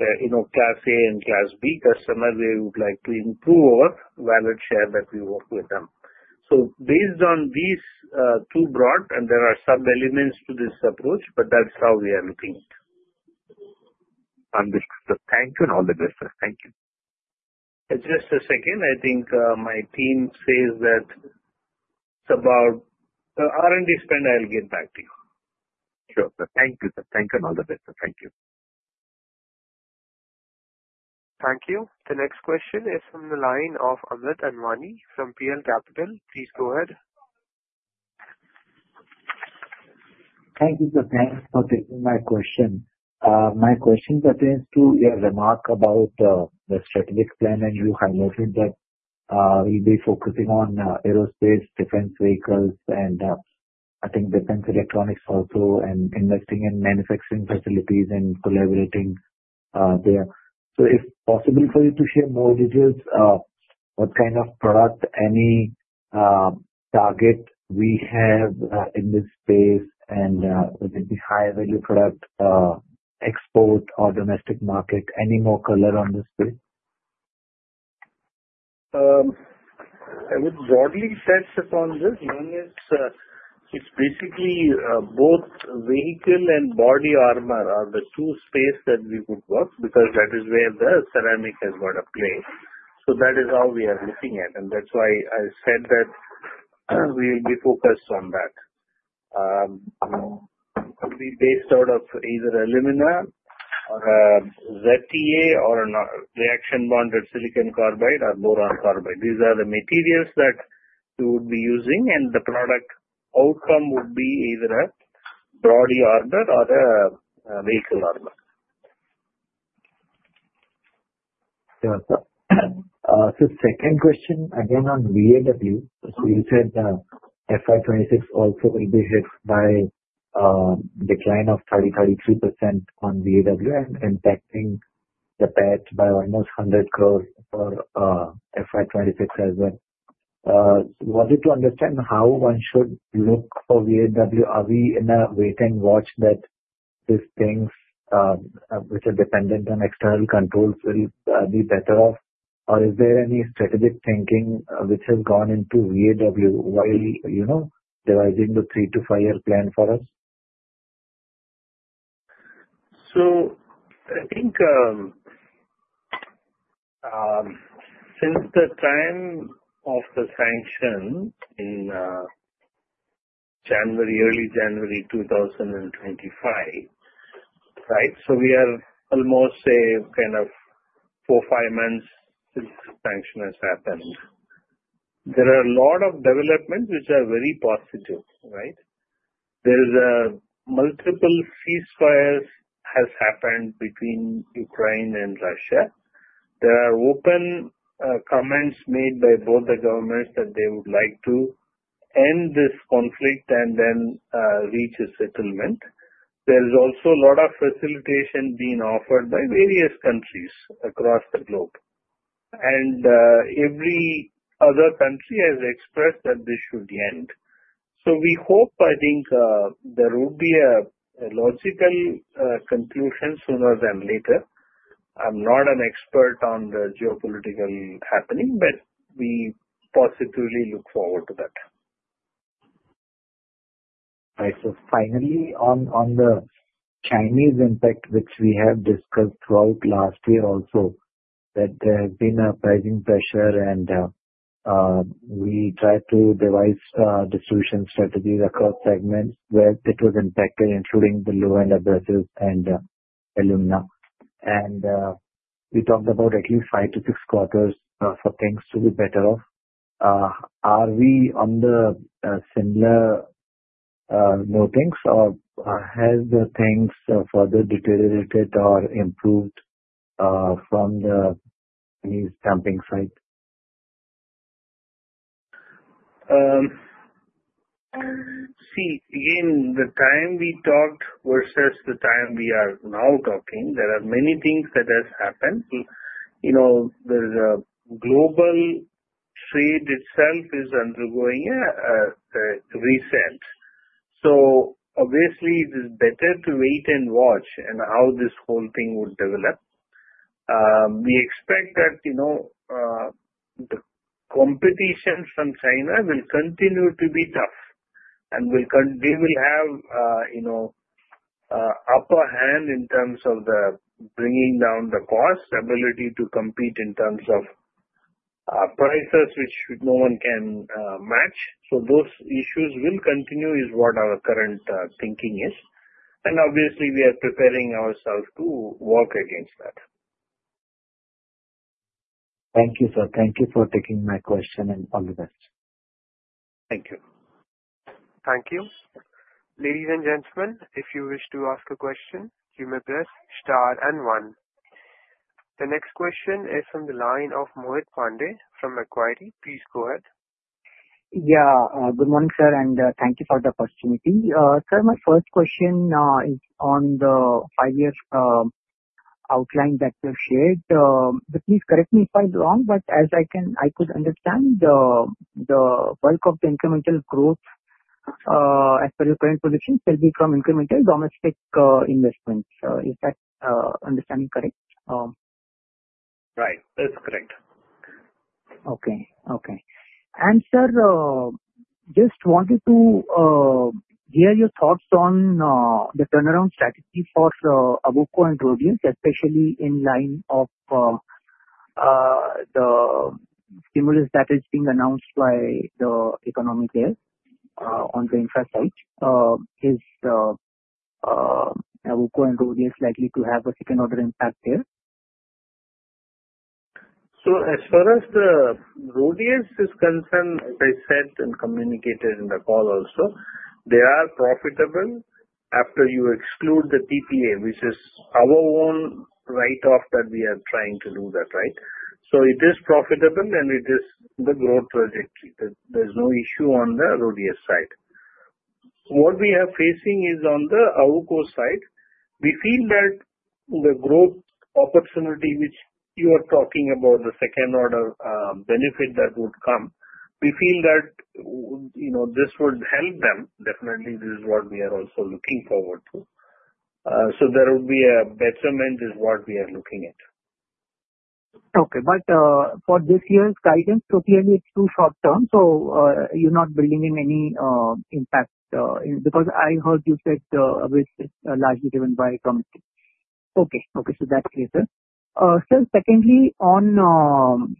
Class A and Class B customers, they would like to improve our value share that we work with them. Based on these two broad, and there are sub-elements to this approach, but that's how we are looking at it. Understood. Thank you and all the best, sir. Thank you. Just a second. I think my team says that it's about R&D spend. I'll get back to you. Sure. Thank you, sir. Thank you and all the best, sir. Thank you. Thank you. The next question is from the line of Amit Anwani from PL Capital. Please go ahead. Thank you, sir. Thanks for taking my question. My question pertains to your remark about the strategic plan, and you highlighted that we'll be focusing on aerospace, defense vehicles, and I think defense electronics also, and investing in manufacturing facilities and collaborating there. If possible for you to share more details, what kind of product, any target we have in this space, and would it be high-value product export or domestic market, any more color on this space? I would broadly touch upon this. One is it's basically both vehicle and body armor are the two spaces that we would work because that is where the ceramic has got a play. That is how we are looking at it. That is why I said that we will be focused on that. It will be based out of either alumina or ZTA or reaction-bonded silicon carbide or boron carbide. These are the materials that we would be using, and the product outcome would be either a body armor or a vehicle armor. Yeah, sir. Second question, again on VAW. You said FY26 also will be hit by a decline of 30%-33% on VAW and impacting the PAT by almost 100 crores for FY26 as well. I wanted to understand how one should look for VAW. Are we in a wait-and-watch that these things which are dependent on external controls will be better off? Or is there any strategic thinking which has gone into VAW while devising the three-to-five-year plan for us? I think since the time of the sanction in early January 2025, right? We are almost, say, kind of four-five months since the sanction has happened. There are a lot of developments which are very positive, right? There are multiple ceasefires that have happened between Ukraine and Russia. There are open comments made by both the governments that they would like to end this conflict and then reach a settlement. There is also a lot of facilitation being offered by various countries across the globe. Every other country has expressed that this should end. We hope, I think, there will be a logical conclusion sooner than later. I'm not an expert on the geopolitical happening, but we positively look forward to that. All right. So finally, on the Chinese impact, which we have discussed throughout last year also, that there has been a pricing pressure, and we tried to devise distribution strategies across segments where it was impacted, including the low-end abrasives and alumina. And we talked about at least five to six quarters for things to be better off. Are we on the similar notings, or has the things further deteriorated or improved from the Chinese dumping side? See, again, the time we talked versus the time we are now talking, there are many things that have happened. There is a global trade itself that is undergoing a reset. Obviously, it is better to wait and watch how this whole thing would develop. We expect that the competition from China will continue to be tough, and they will have upper hand in terms of bringing down the cost, ability to compete in terms of prices which no one can match. Those issues will continue is what our current thinking is. Obviously, we are preparing ourselves to work against that. Thank you, sir. Thank you for taking my question, and all the best. Thank you. Thank you. Ladies and gentlemen, if you wish to ask a question, you may press star and one. The next question is from the line of Mohit Pandey from Macquarie. Please go ahead. Yeah. Good morning, sir, and thank you for the opportunity. Sir, my first question is on the five-year outline that you have shared. Please correct me if I'm wrong, but as I could understand, the bulk of the incremental growth as per your current position will be from incremental domestic investments. Is that understanding correct? Right. That's correct. Okay. Okay. Sir, just wanted to hear your thoughts on the turnaround strategy for AWUKO and RHODIUS, especially in line of the stimulus that is being announced by the economy there on the infra side. Is AWUKO and RHODIUS likely to have a second-order impact there? As far as the RHODIUS is concerned, as I said and communicated in the call also, they are profitable after you exclude the TPA, which is our own write-off that we are trying to do that, right? It is profitable, and it is the growth trajectory. There is no issue on the RHODIUS side. What we are facing is on the AWUKO side, we feel that the growth opportunity which you are talking about, the second-order benefit that would come, we feel that this would help them. Definitely, this is what we are also looking forward to. There will be a betterment is what we are looking at. Okay. For this year's guidance, it's too short-term. You're not bringing in any impact because I heard you said it's largely driven by commission. Okay. That's clear, sir. Sir, secondly, on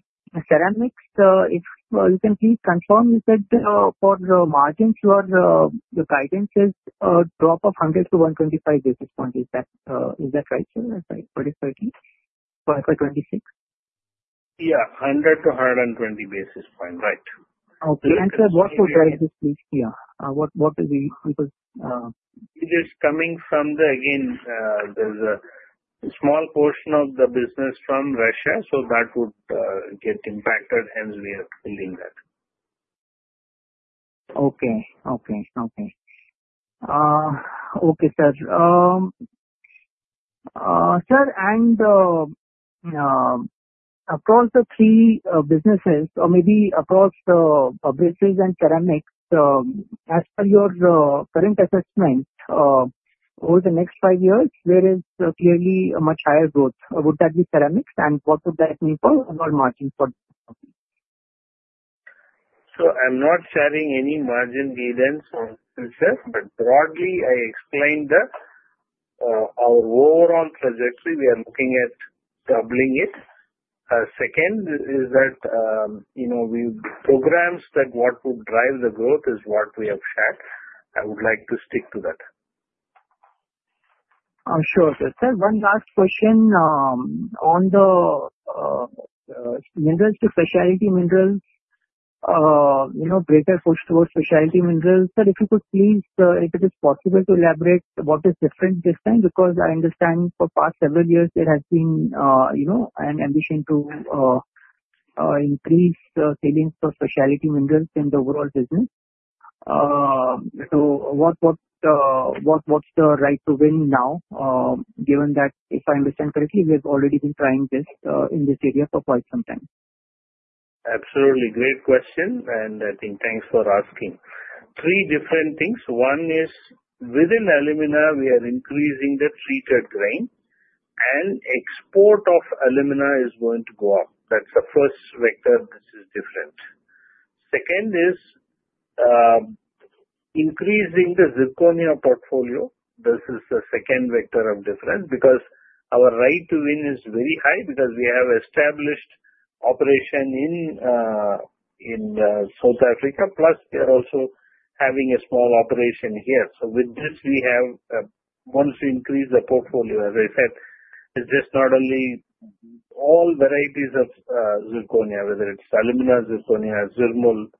Ceramics, if you can please confirm, you said for the margins, the guidance is a drop of 100-125 basis points. Is that right, sir? Is that right? What is 30 for FY26? Yeah. 100 to 120 basis points. Right. Okay. And sir, what would drive this, please? Yeah. What will be people? It is coming from the, again, there's a small portion of the business from Russia, so that would get impacted. Hence, we are building that. Okay. Okay, sir. Sir, and across the three businesses, or maybe across the Abrasives and Ceramics, as per your current assessment, over the next five years, there is clearly a much higher growth. Would that be Ceramics? What would that mean for overall margins for the company? I'm not sharing any margin guidance on this stuff, but broadly, I explained that our overall trajectory, we are looking at doubling it. Second is that we programs that what would drive the growth is what we have shared. I would like to stick to that. I'm sure, sir. Sir, one last question on the minerals, the specialty minerals, greater push towards specialty minerals. Sir, if you could please, if it is possible to elaborate what is different this time? Because I understand for the past several years, there has been an ambition to increase salience for specialty minerals in the overall business. What's the right to win now, given that if I understand correctly, we have already been trying this in this area for quite some time? Absolutely. Great question. I think thanks for asking. Three different things. One is within alumina, we are increasing the treated grain, and export of alumina is going to go up. That's the first vector that is different. Second is increasing the zirconia portfolio. This is the second vector of difference because our right to win is very high because we have established operation in South Africa, plus we are also having a small operation here. With this, once we increase the portfolio, as I said, it's just not only all varieties of zirconia, whether it's alumina, zirconia, zirmol,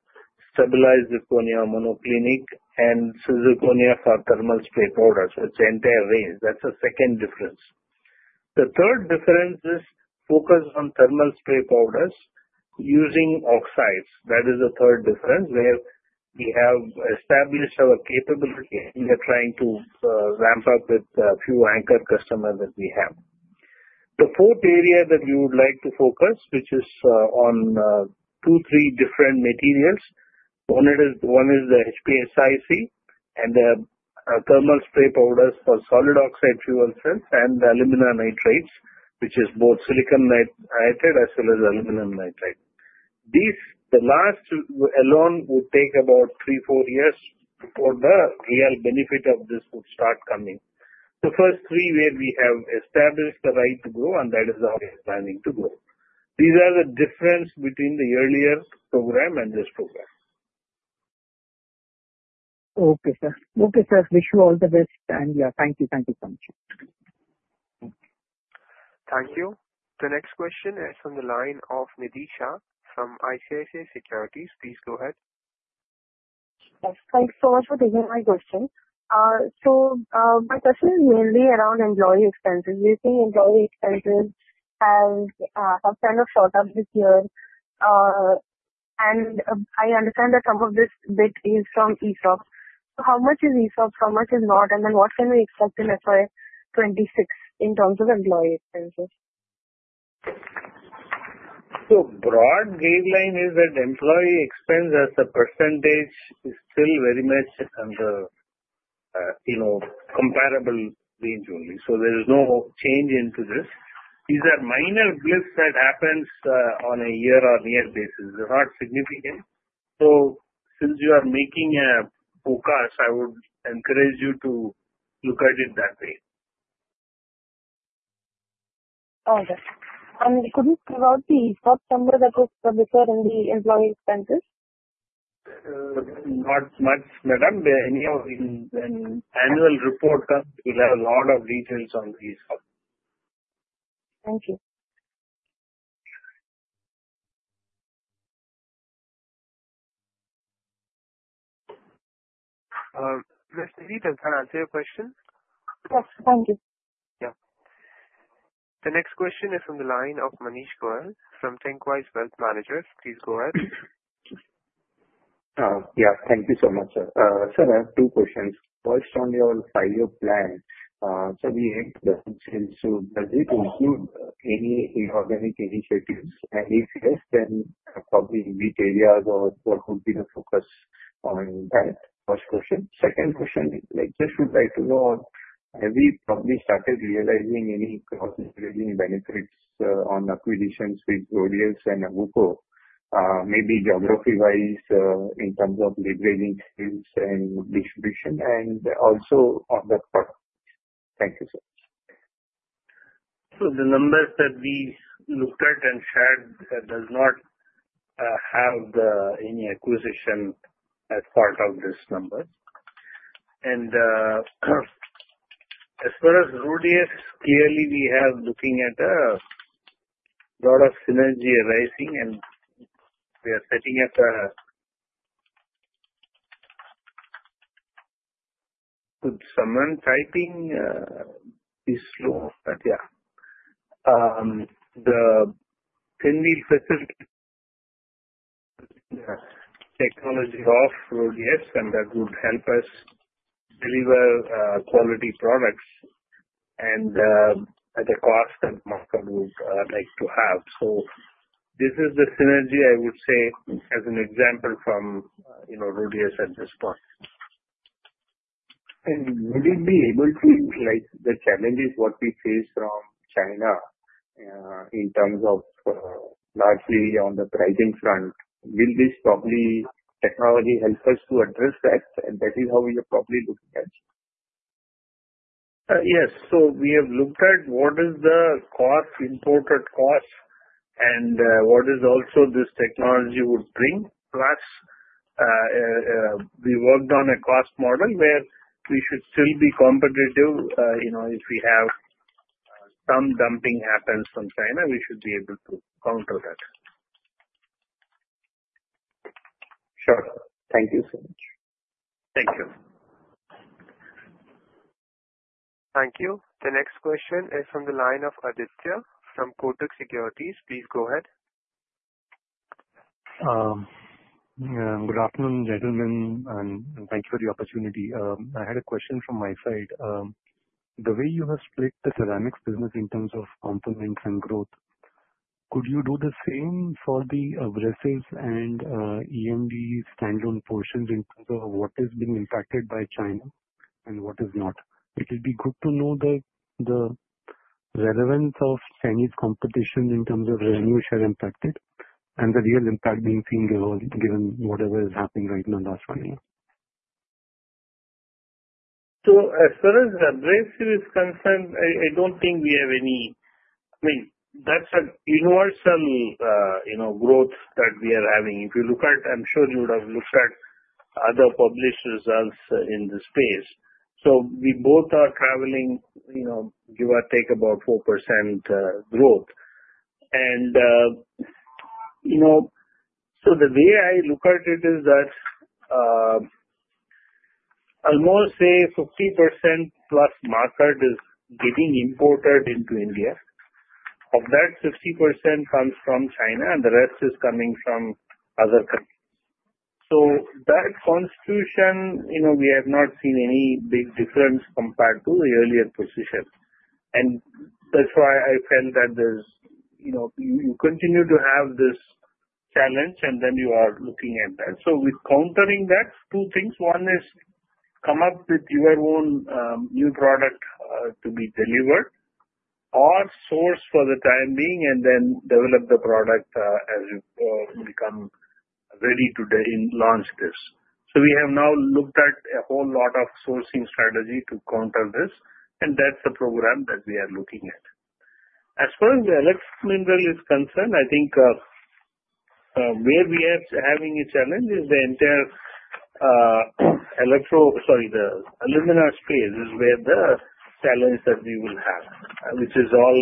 stabilized Zirconia, Monoclinic, and Zirconia for thermal spray powders, which enter a range. That's the second difference. The third difference is focus on thermal spray powders using oxides. That is the third difference where we have established our capability and we are trying to ramp up with a few anchor customers that we have. The fourth area that we would like to focus, which is on two, three different materials. One is the HPSIC and the thermal spray powders for solid oxide fuel cells and the alumina nitrides, which is both silicon nitride as well as aluminum nitride. The last alone would take about three, four years before the real benefit of this would start coming. The first three where we have established the right to grow, and that is how we are planning to grow. These are the differences between the earlier program and this program. Okay, sir. Wish you all the best. Thank you. Thank you so much. Thank you. The next question is from the line of Nidhi Shah from ICICI Securities. Please go ahead. Yes. Thanks so much for taking my question. My question is mainly around employee expenses. You're seeing employee expenses have kind of shot up this year. I understand that some of this bit is from ESOPs. How much is ESOP? How much is not? What can we expect in FY26 in terms of employee expenses? Broad baseline is that employee expense as a percentage is still very much under comparable range only. There is no change into this. These are minor blips that happen on a year-on-year basis. They're not significant. Since you are making a forecast, I would encourage you to look at it that way. All right. Could you give out the ESOP number that was before in the employee expenses? Not much, madam. Any of the annual report comes, we'll have a lot of details on the ESOP. Thank you. Ms. Nidhi, did it answer your question? Yes. Thank you. Yeah. The next question is from the line of Manish Goyal from Thinqwise Wealth Managers. Please go ahead. Yeah. Thank you so much, sir. Sir, I have two questions. Based on your five-year plan, so we had the. Since soon, does it include any organic initiatives? And if yes, then probably in which areas or what would be the focus on that? First question. Second question, I just would like to know, have we probably started realizing any cost-relating benefits on acquisitions with RHODIUS and AWUKO, maybe geography-wise in terms of leveraging skills and distribution, and also on the product? Thank you, sir. The numbers that we looked at and shared does not have any acquisition as part of this number. As far as RHODIUS, clearly, we are looking at a lot of synergy arising, and we are setting up a good summary. Typing is slow, but yeah. The thin wheel facility technology of RHODIUS, and that would help us deliver quality products at a cost that market would like to have. This is the synergy, I would say, as an example from RHODIUS at this point. Would it be able to, like the challenges, what we face from China in terms of largely on the pricing front, will this probably technology help us to address that? That is how we are probably looking at it. Yes. We have looked at what is the imported cost and what this technology would bring. Plus, we worked on a cost model where we should still be competitive. If we have some dumping happen from China, we should be able to counter that. Sure. Thank you so much. Thank you. Thank you. The next question is from the line of Aditya from Kotak Securities. Please go ahead. Good afternoon, gentlemen, and thank you for the opportunity. I had a question from my side. The way you have split the ceramics business in terms of components and growth, could you do the same for the abrasives and EMD standalone portions in terms of what is being impacted by China and what is not? It would be good to know the relevance of Chinese competition in terms of revenue share impacted and the real impact being seen given whatever is happening right now in the last one year. As far as abrasives are concerned, I don't think we have any—I mean, that's a universal growth that we are having. If you look at—I'm sure you would have looked at other publishers' results in this space. We both are traveling, give or take, about 4% growth. The way I look at it is that I'll more say 50% plus market is getting imported into India. Of that, 50% comes from China, and the rest is coming from other countries. That constitution, we have not seen any big difference compared to the earlier position. That's why I felt that you continue to have this challenge, and then you are looking at that. With countering that, two things. One is come up with your own new product to be delivered or source for the time being and then develop the product as you become ready to launch this. We have now looked at a whole lot of sourcing strategy to counter this, and that's the program that we are looking at. As far as the Electromineral is concerned, I think where we are having a challenge is the entire electro—sorry, the alumina space is where the challenge that we will have, which is all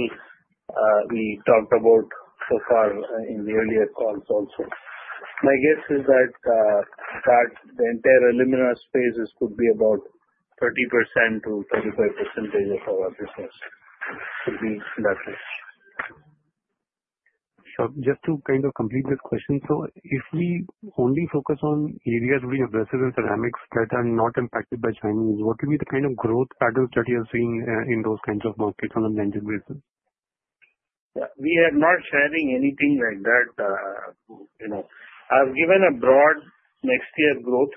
we talked about so far in the earlier calls also. My guess is that the entire alumina space could be about 30%-35% of our business could be that way. Sure. Just to kind of complete this question, if we only focus on areas within Abrasives and Ceramics that are not impacted by Chinese, what will be the kind of growth patterns that you're seeing in those kinds of markets on a managed basis? Yeah. We are not sharing anything like that. I've given a broad next-year growth.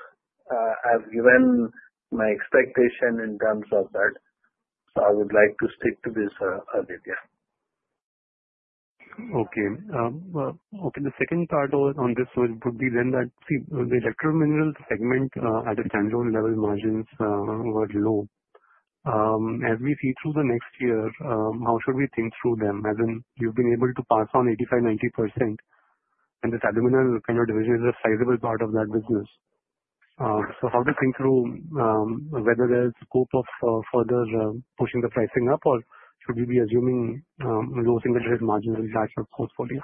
I've given my expectation in terms of that. I would like to stick to this idea. Okay. Okay. The second thought on this would be then that, see, the Electrominerals segment at a standalone level, margins were low. As we see through the next year, how should we think through them? As in, you've been able to pass on 85%-90%, and this alumina kind of division is a sizable part of that business. So how do you think through whether there's scope of further pushing the pricing up, or should we be assuming low single-digit margins in that portfolio?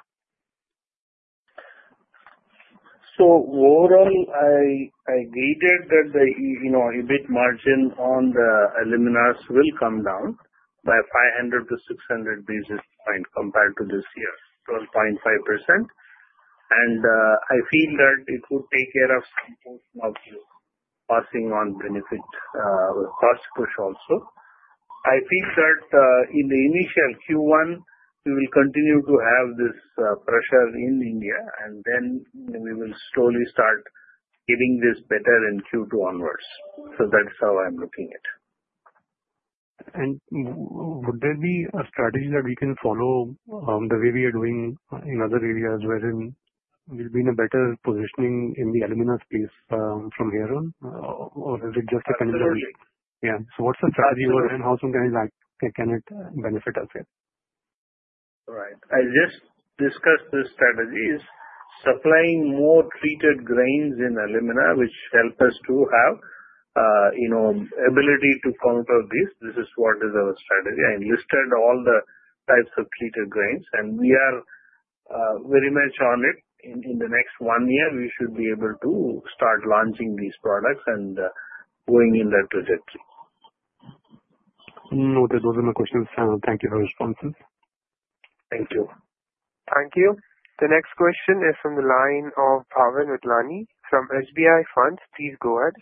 Overall, I waited that the EBIT margin on the aluminas will come down by 500-600 basis points compared to this year, 12.5%. I feel that it would take care of some portion of your passing on benefit with cost push also. I think that in the initial Q1, we will continue to have this pressure in India, and then we will slowly start getting this better in Q2 onwards. That is how I am looking at it. Would there be a strategy that we can follow the way we are doing in other areas wherein we'll be in a better positioning in the alumina space from here on, or is it just depending on? Yeah. So what's the strategy for them, and how can it benefit us here? Right. I just discussed the strategies. Supplying more treated grains in alumina, which helps us to have the ability to counter this. This is what is our strategy. I enlisted all the types of treated grains, and we are very much on it. In the next one year, we should be able to start launching these products and going in that trajectory. Noted. Those are my questions. Thank you for your responses. Thank you. Thank you. The next question is from the line of Bhaven Vithlani from SBI Funds. Please go ahead.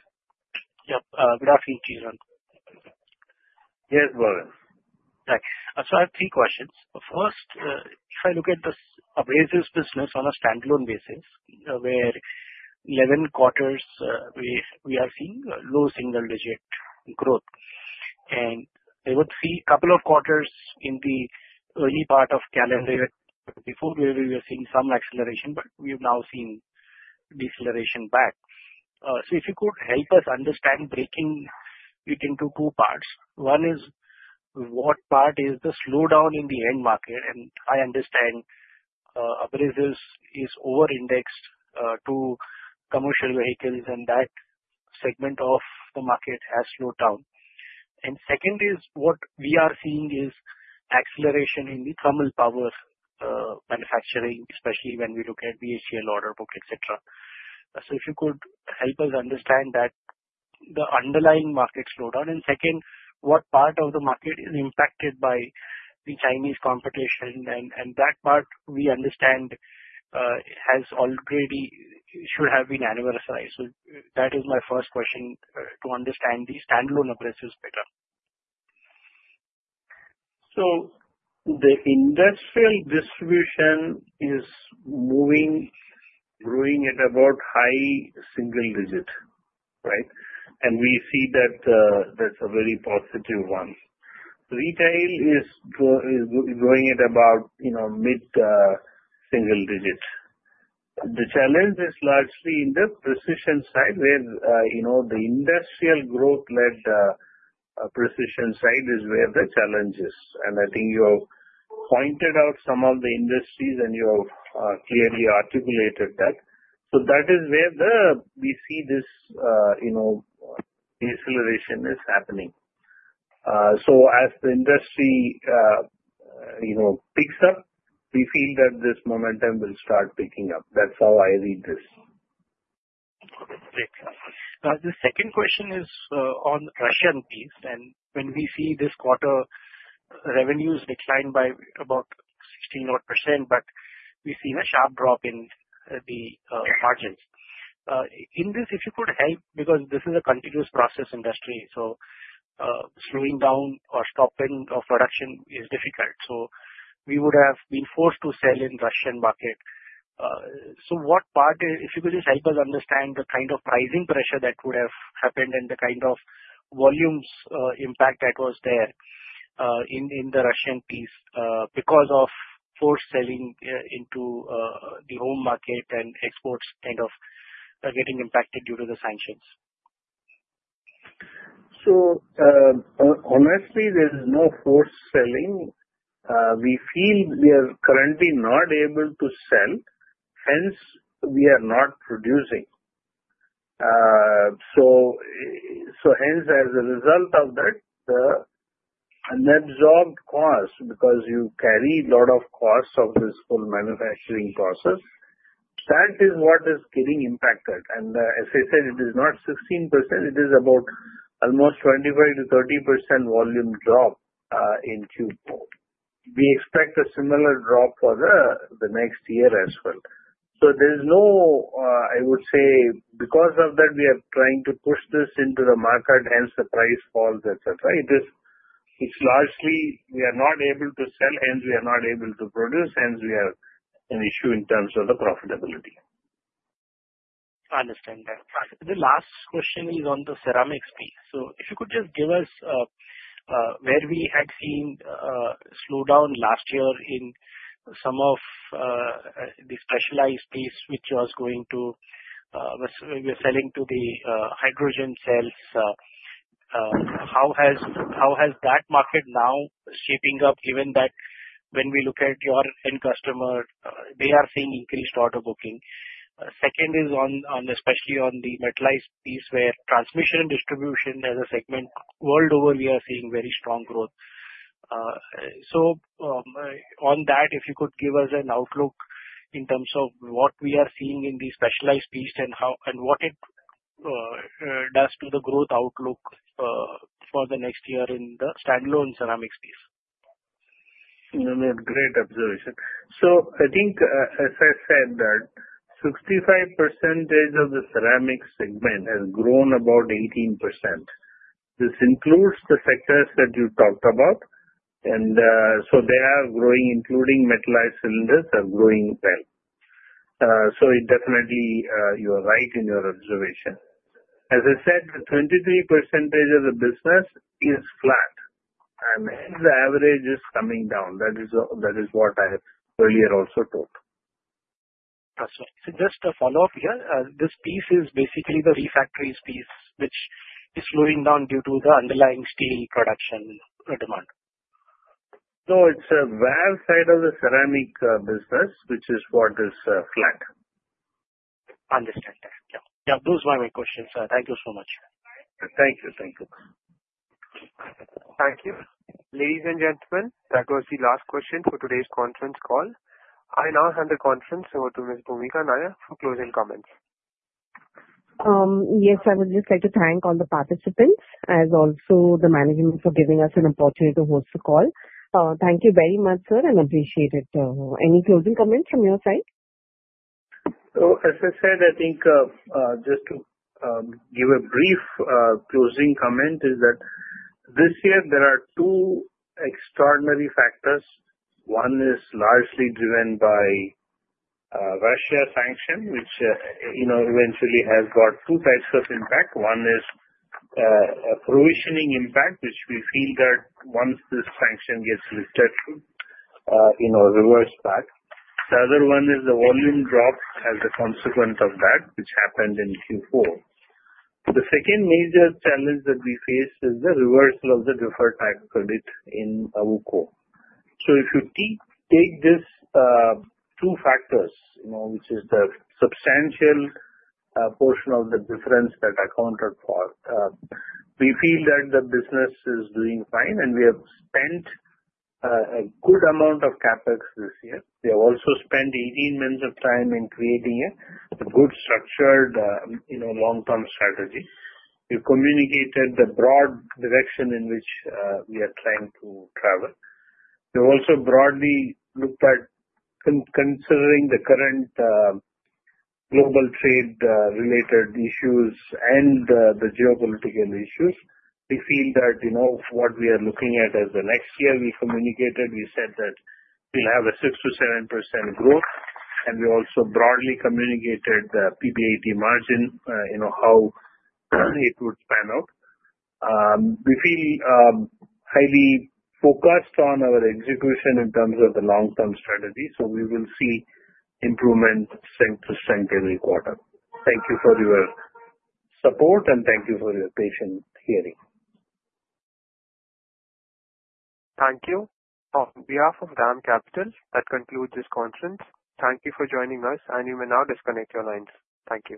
Yep. Good afternoon. Yes, Bhaven. Thanks. I have three questions. First, if I look at this Abrasives business on a Standalone basis where for 11 quarters, we are seeing low single-digit growth. I would see a couple of quarters in the early part of calendar year 2024, where we were seeing some acceleration, but we have now seen deceleration back. If you could help us understand, breaking it into two parts. One is what part is the slowdown in the end market? I understand abrasives is over-indexed to commercial vehicles, and that segment of the market has slowed down. Second is what we are seeing is acceleration in the thermal power manufacturing, especially when we look at the BHEL order book, etc. If you could help us understand that, the underlying market slowdown. Second, what part of the market is impacted by the Chinese competition? That part, we understand, should have already been adversarial. That is my first question to understand the standalone Abrasives better. The industrial distribution is moving, growing at about high single digit, right? We see that that's a very positive one. Retail is growing at about mid single digit. The challenge is largely in the precision side where the industrial growth-led precision side is where the challenge is. I think you pointed out some of the industries, and you clearly articulated that. That is where we see this deceleration is happening. As the industry picks up, we feel that this momentum will start picking up. That's how I read this. Great. The second question is on the Russian piece. When we see this quarter revenues declined by about 16%, but we've seen a sharp drop in the margins. In this, if you could help, because this is a continuous process industry, slowing down or stopping production is difficult. We would have been forced to sell in the Russian market. What part, if you could just help us understand the kind of pricing pressure that would have happened and the kind of volumes impact that was there in the Russian piece because of forced selling into the home market and exports kind of getting impacted due to the sanctions? Honestly, there is no forced selling. We feel we are currently not able to sell. Hence, we are not producing. As a result of that, the unabsorbed cost, because you carry a lot of costs of this whole manufacturing process, that is what is getting impacted. As I said, it is not 16%. It is about almost 25%-30% volume drop in Q4. We expect a similar drop for the next year as well. There is no, I would say, because of that, we are trying to push this into the market, hence the price falls, etc. It is largely we are not able to sell, hence we are not able to produce, hence we have an issue in terms of the profitability. I understand that. The last question is on the Ceramics piece. If you could just give us where we had seen a slowdown last year in some of the specialized piece, which was going to, we were selling to the hydrogen cells. How has that market now shaping up, given that when we look at your end customer, they are seeing increased order booking? Second is especially on the metalized piece where transmission and distribution as a segment, world over, we are seeing very strong growth. On that, if you could give us an outlook in terms of what we are seeing in the specialized piece and what it does to the growth outlook for the next year in the Standalone Ceramics piece. You made great observation. I think, as I said, that 65% of the Ceramics segment has grown about 18%. This includes the sectors that you talked about. They are growing, including metalized cylinders are growing well. Definitely, you are right in your observation. As I said, the 23% of the business is flat, and the average is coming down. That is what I have earlier also told. Just a follow-up here. This piece is basically the refractories piece, which is slowing down due to the underlying steel production demand. No, it's a valve side of the Ceramics business, which is what is flat. Understood. Yeah. Yeah. Those were my questions. Thank you so much. Thank you. Thank you. Thank you. Ladies and gentlemen, that was the last question for today's conference call. I now hand the conference over to Ms. Bhoomika Nair for closing comments. Yes, I would just like to thank all the participants, as well as the management, for giving us an opportunity to host the call. Thank you very much, sir, and appreciate it. Any closing comments from your side? As I said, I think just to give a brief closing comment is that this year, there are two extraordinary factors. One is largely driven by Russia sanction, which eventually has brought two types of impact. One is a provisioning impact, which we feel that once this sanction gets lifted, it reverts back. The other one is the volume drop as a consequence of that, which happened in Q4. The second major challenge that we faced is the reversal of the deferred tax credit in AWUKO. If you take these two factors, which is the substantial portion of the difference that I accounted for, we feel that the business is doing fine, and we have spent a good amount of CapEx this year. We have also spent 18 months of time in creating a good structured long-term strategy. We communicated the broad direction in which we are trying to travel. We have also broadly looked at considering the current global trade-related issues and the geopolitical issues. We feel that what we are looking at as the next year, we communicated. We said that we'll have a 6%-7% growth, and we also broadly communicated the PBIT margin, how it would pan out. We feel highly focused on our execution in terms of the long-term strategy, so we will see improvement strength to strength every quarter. Thank you for your support, and thank you for your patience hearing. Thank you. On behalf of DAM Capital, that concludes this conference. Thank you for joining us, and you may now disconnect your lines. Thank you.